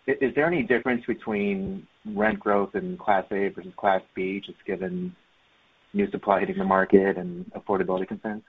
is there any difference between rent growth in Class A versus Class B, just given new supply hitting the market and affordability concerns?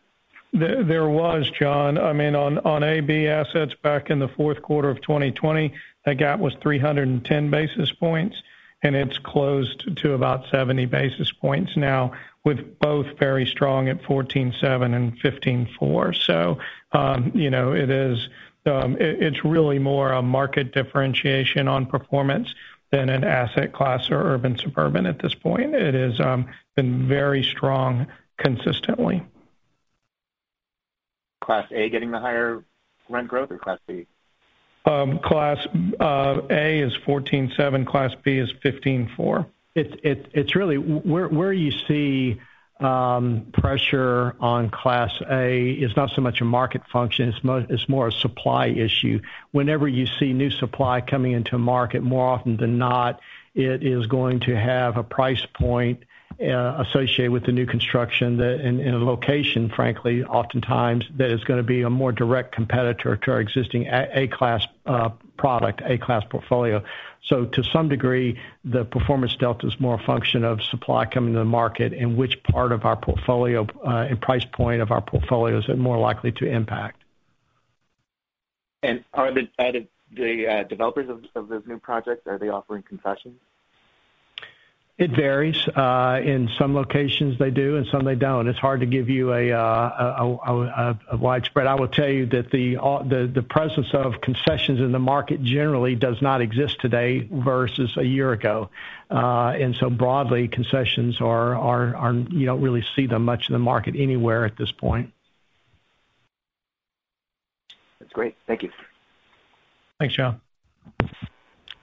There was, John. I mean, on AB assets back in the fourth quarter of 2020, that gap was 310 basis points, and it's closed to about 70 basis points now, with both very strong at 14.7% and 15.4%. You know, it is, it's really more a market differentiation on performance than an asset class or urban suburban at this point. It has been very strong consistently. Class A getting the higher rent growth or Class B? Class A is 14.7%, Class B is 15.4%. It's really where you see pressure on Class A is not so much a market function, it's more a supply issue. Whenever you see new supply coming into a market, more often than not, it is going to have a price point associated with the new construction that in a location, frankly, oftentimes that is gonna be a more direct competitor to our existing A-class product, A-class portfolio. So to some degree, the performance delta is more a function of supply coming to the market, and which part of our portfolio and price point of our portfolio is it more likely to impact. On the side of the developers of those new projects, are they offering concessions? It varies. In some locations they do and some they don't. It's hard to give you a widespread. I will tell you that the presence of concessions in the market generally does not exist today versus a year ago. Broadly, concessions are. You don't really see them much in the market anywhere at this point. That's great. Thank you. Thanks, John.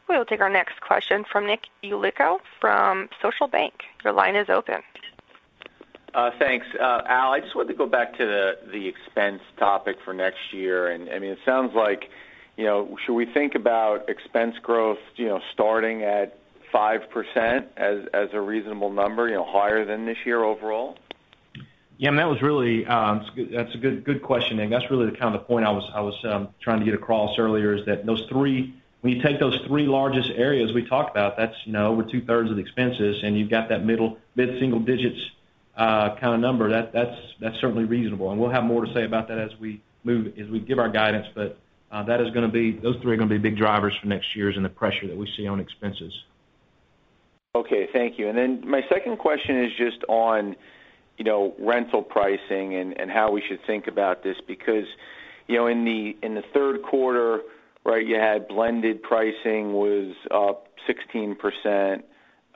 We'll take our next question from Nick Yulico from Scotiabank. Your line is open. Thanks. Al, I just wanted to go back to the expense topic for next year. I mean, it sounds like, you know, should we think about expense growth, you know, starting at 5% as a reasonable number, you know, higher than this year overall? That was really. That's a good question, Nick. That's really the kind of point I was trying to get across earlier, is that those three. When you take those three largest areas we talked about, that's, you know, over 2/3 of the expenses, and you've got that middle, mid-single digits, kind of number, that's certainly reasonable. We'll have more to say about that as we move, as we give our guidance. That is gonna be those three are gonna be big drivers for next year's and the pressure that we see on expenses. Okay. Thank you. Then my second question is just on, you know, rental pricing and how we should think about this. Because, you know, in the third quarter, right, you had blended pricing was up 16%.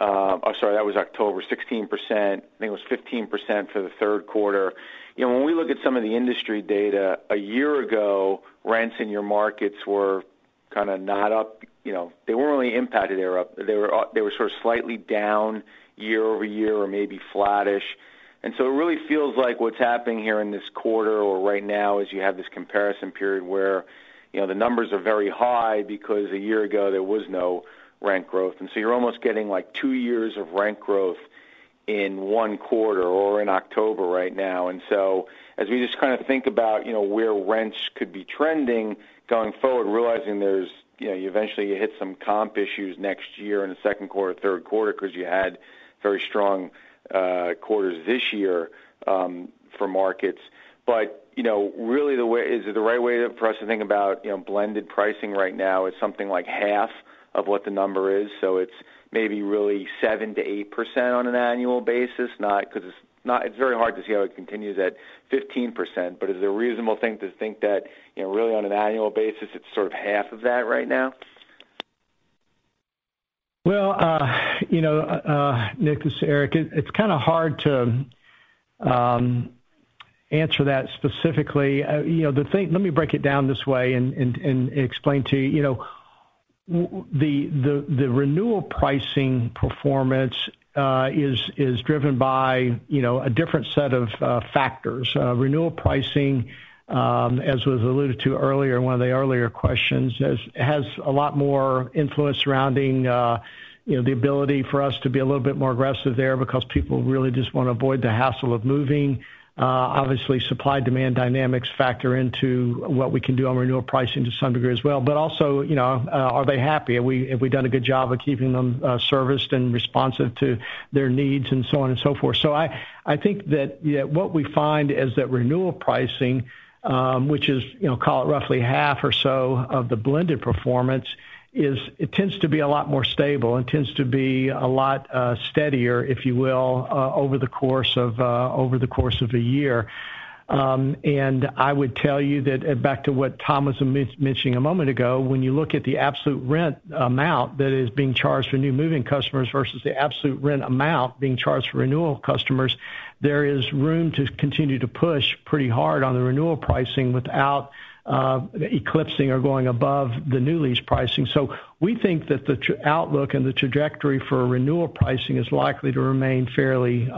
Oh, sorry, that was October, 16%. I think it was 15% for the third quarter. You know, when we look at some of the industry data, a year ago, rents in your markets were kind of not up. You know, they weren't really impacted, they were up. They were sort of slightly down year-over-year or maybe flattish. It really feels like what's happening here in this quarter or right now is you have this comparison period where, you know, the numbers are very high because a year ago there was no rent growth. You're almost getting like two years of rent growth in one quarter or in October right now. As we just kind of think about, you know, where rents could be trending going forward, realizing there's you know, you eventually hit some comp issues next year in the second quarter, third quarter 'cause you had very strong quarters this year for markets. You know, really the way is it the right way for us to think about, you know, blended pricing right now is something like half of what the number is, so it's maybe really 7%-8% on an annual basis? It's very hard to see how it continues at 15%, but is it a reasonable thing to think that, you know, really on an annual basis, it's sort of half of that right now? Well, you know, Nick, this is Eric. It's kind of hard to answer that specifically. You know the thing. Let me break it down this way and explain to you. You know, the renewal pricing performance is driven by, you know, a different set of factors. Renewal pricing, as was alluded to earlier in one of the earlier questions, has a lot more influence surrounding, you know, the ability for us to be a little bit more aggressive there because people really just wanna avoid the hassle of moving. Obviously, supply-demand dynamics factor into what we can do on renewal pricing to some degree as well, but also, you know, are they happy? Have we done a good job of keeping them serviced and responsive to their needs, and so on and so forth. I think that, yeah, what we find is that renewal pricing, which is, you know, call it roughly half or so of the blended performance, it tends to be a lot more stable and tends to be a lot steadier, if you will, over the course of a year. I would tell you that back to what Tom was mentioning a moment ago, when you look at the absolute rent amount that is being charged for new move-in customers versus the absolute rent amount being charged for renewal customers, there is room to continue to push pretty hard on the renewal pricing without eclipsing or going above the new lease pricing. We think that the outlook and the trajectory for renewal pricing is likely to remain fairly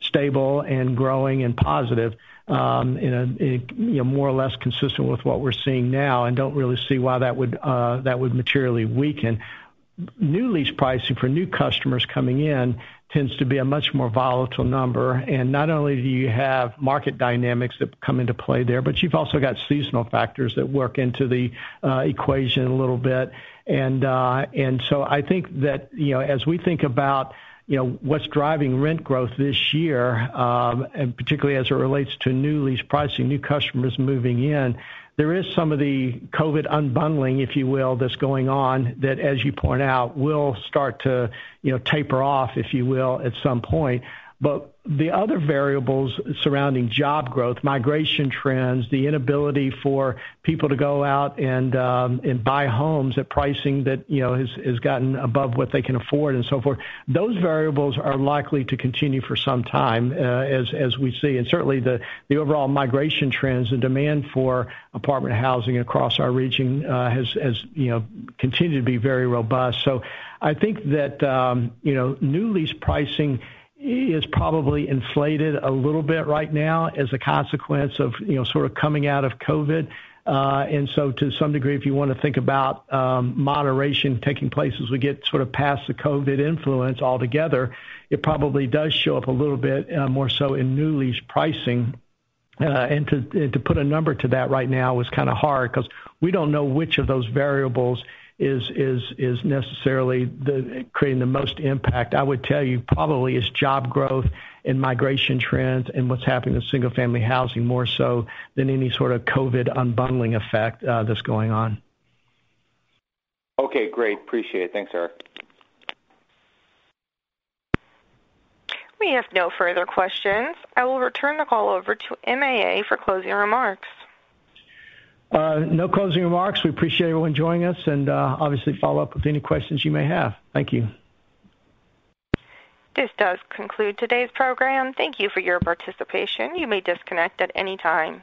stable and growing and positive. You know, more or less consistent with what we're seeing now and don't really see why that would materially weaken. New lease pricing for new customers coming in tends to be a much more volatile number. Not only do you have market dynamics that come into play there, but you've also got seasonal factors that work into the equation a little bit. I think that, you know, as we think about, you know, what's driving rent growth this year, and particularly as it relates to new lease pricing, new customers moving in, there is some of the COVID unbundling, if you will, that's going on that, as you point out, will start to, you know, taper off, if you will, at some point. But the other variables surrounding job growth, migration trends, the inability for people to go out and and buy homes at pricing that, you know, has gotten above what they can afford and so forth, those variables are likely to continue for some time, as we see. Certainly the overall migration trends and demand for apartment housing across our region has, you know, continued to be very robust. I think that, you know, new lease pricing is probably inflated a little bit right now as a consequence of, you know, sort of coming out of COVID. To some degree, if you wanna think about moderation taking place as we get sort of past the COVID influence altogether, it probably does show up a little bit more so in new lease pricing. To put a number to that right now is kind of hard 'cause we don't know which of those variables is necessarily creating the most impact. I would tell you probably it's job growth and migration trends and what's happening with single-family housing more so than any sort of COVID unbundling effect that's going on. Okay, great. Appreciate it. Thanks, Eric. We have no further questions. I will return the call over to MAA for closing remarks. No closing remarks. We appreciate everyone joining us, and, obviously follow up with any questions you may have. Thank you. This does conclude today's program. Thank you for your participation. You may disconnect at any time.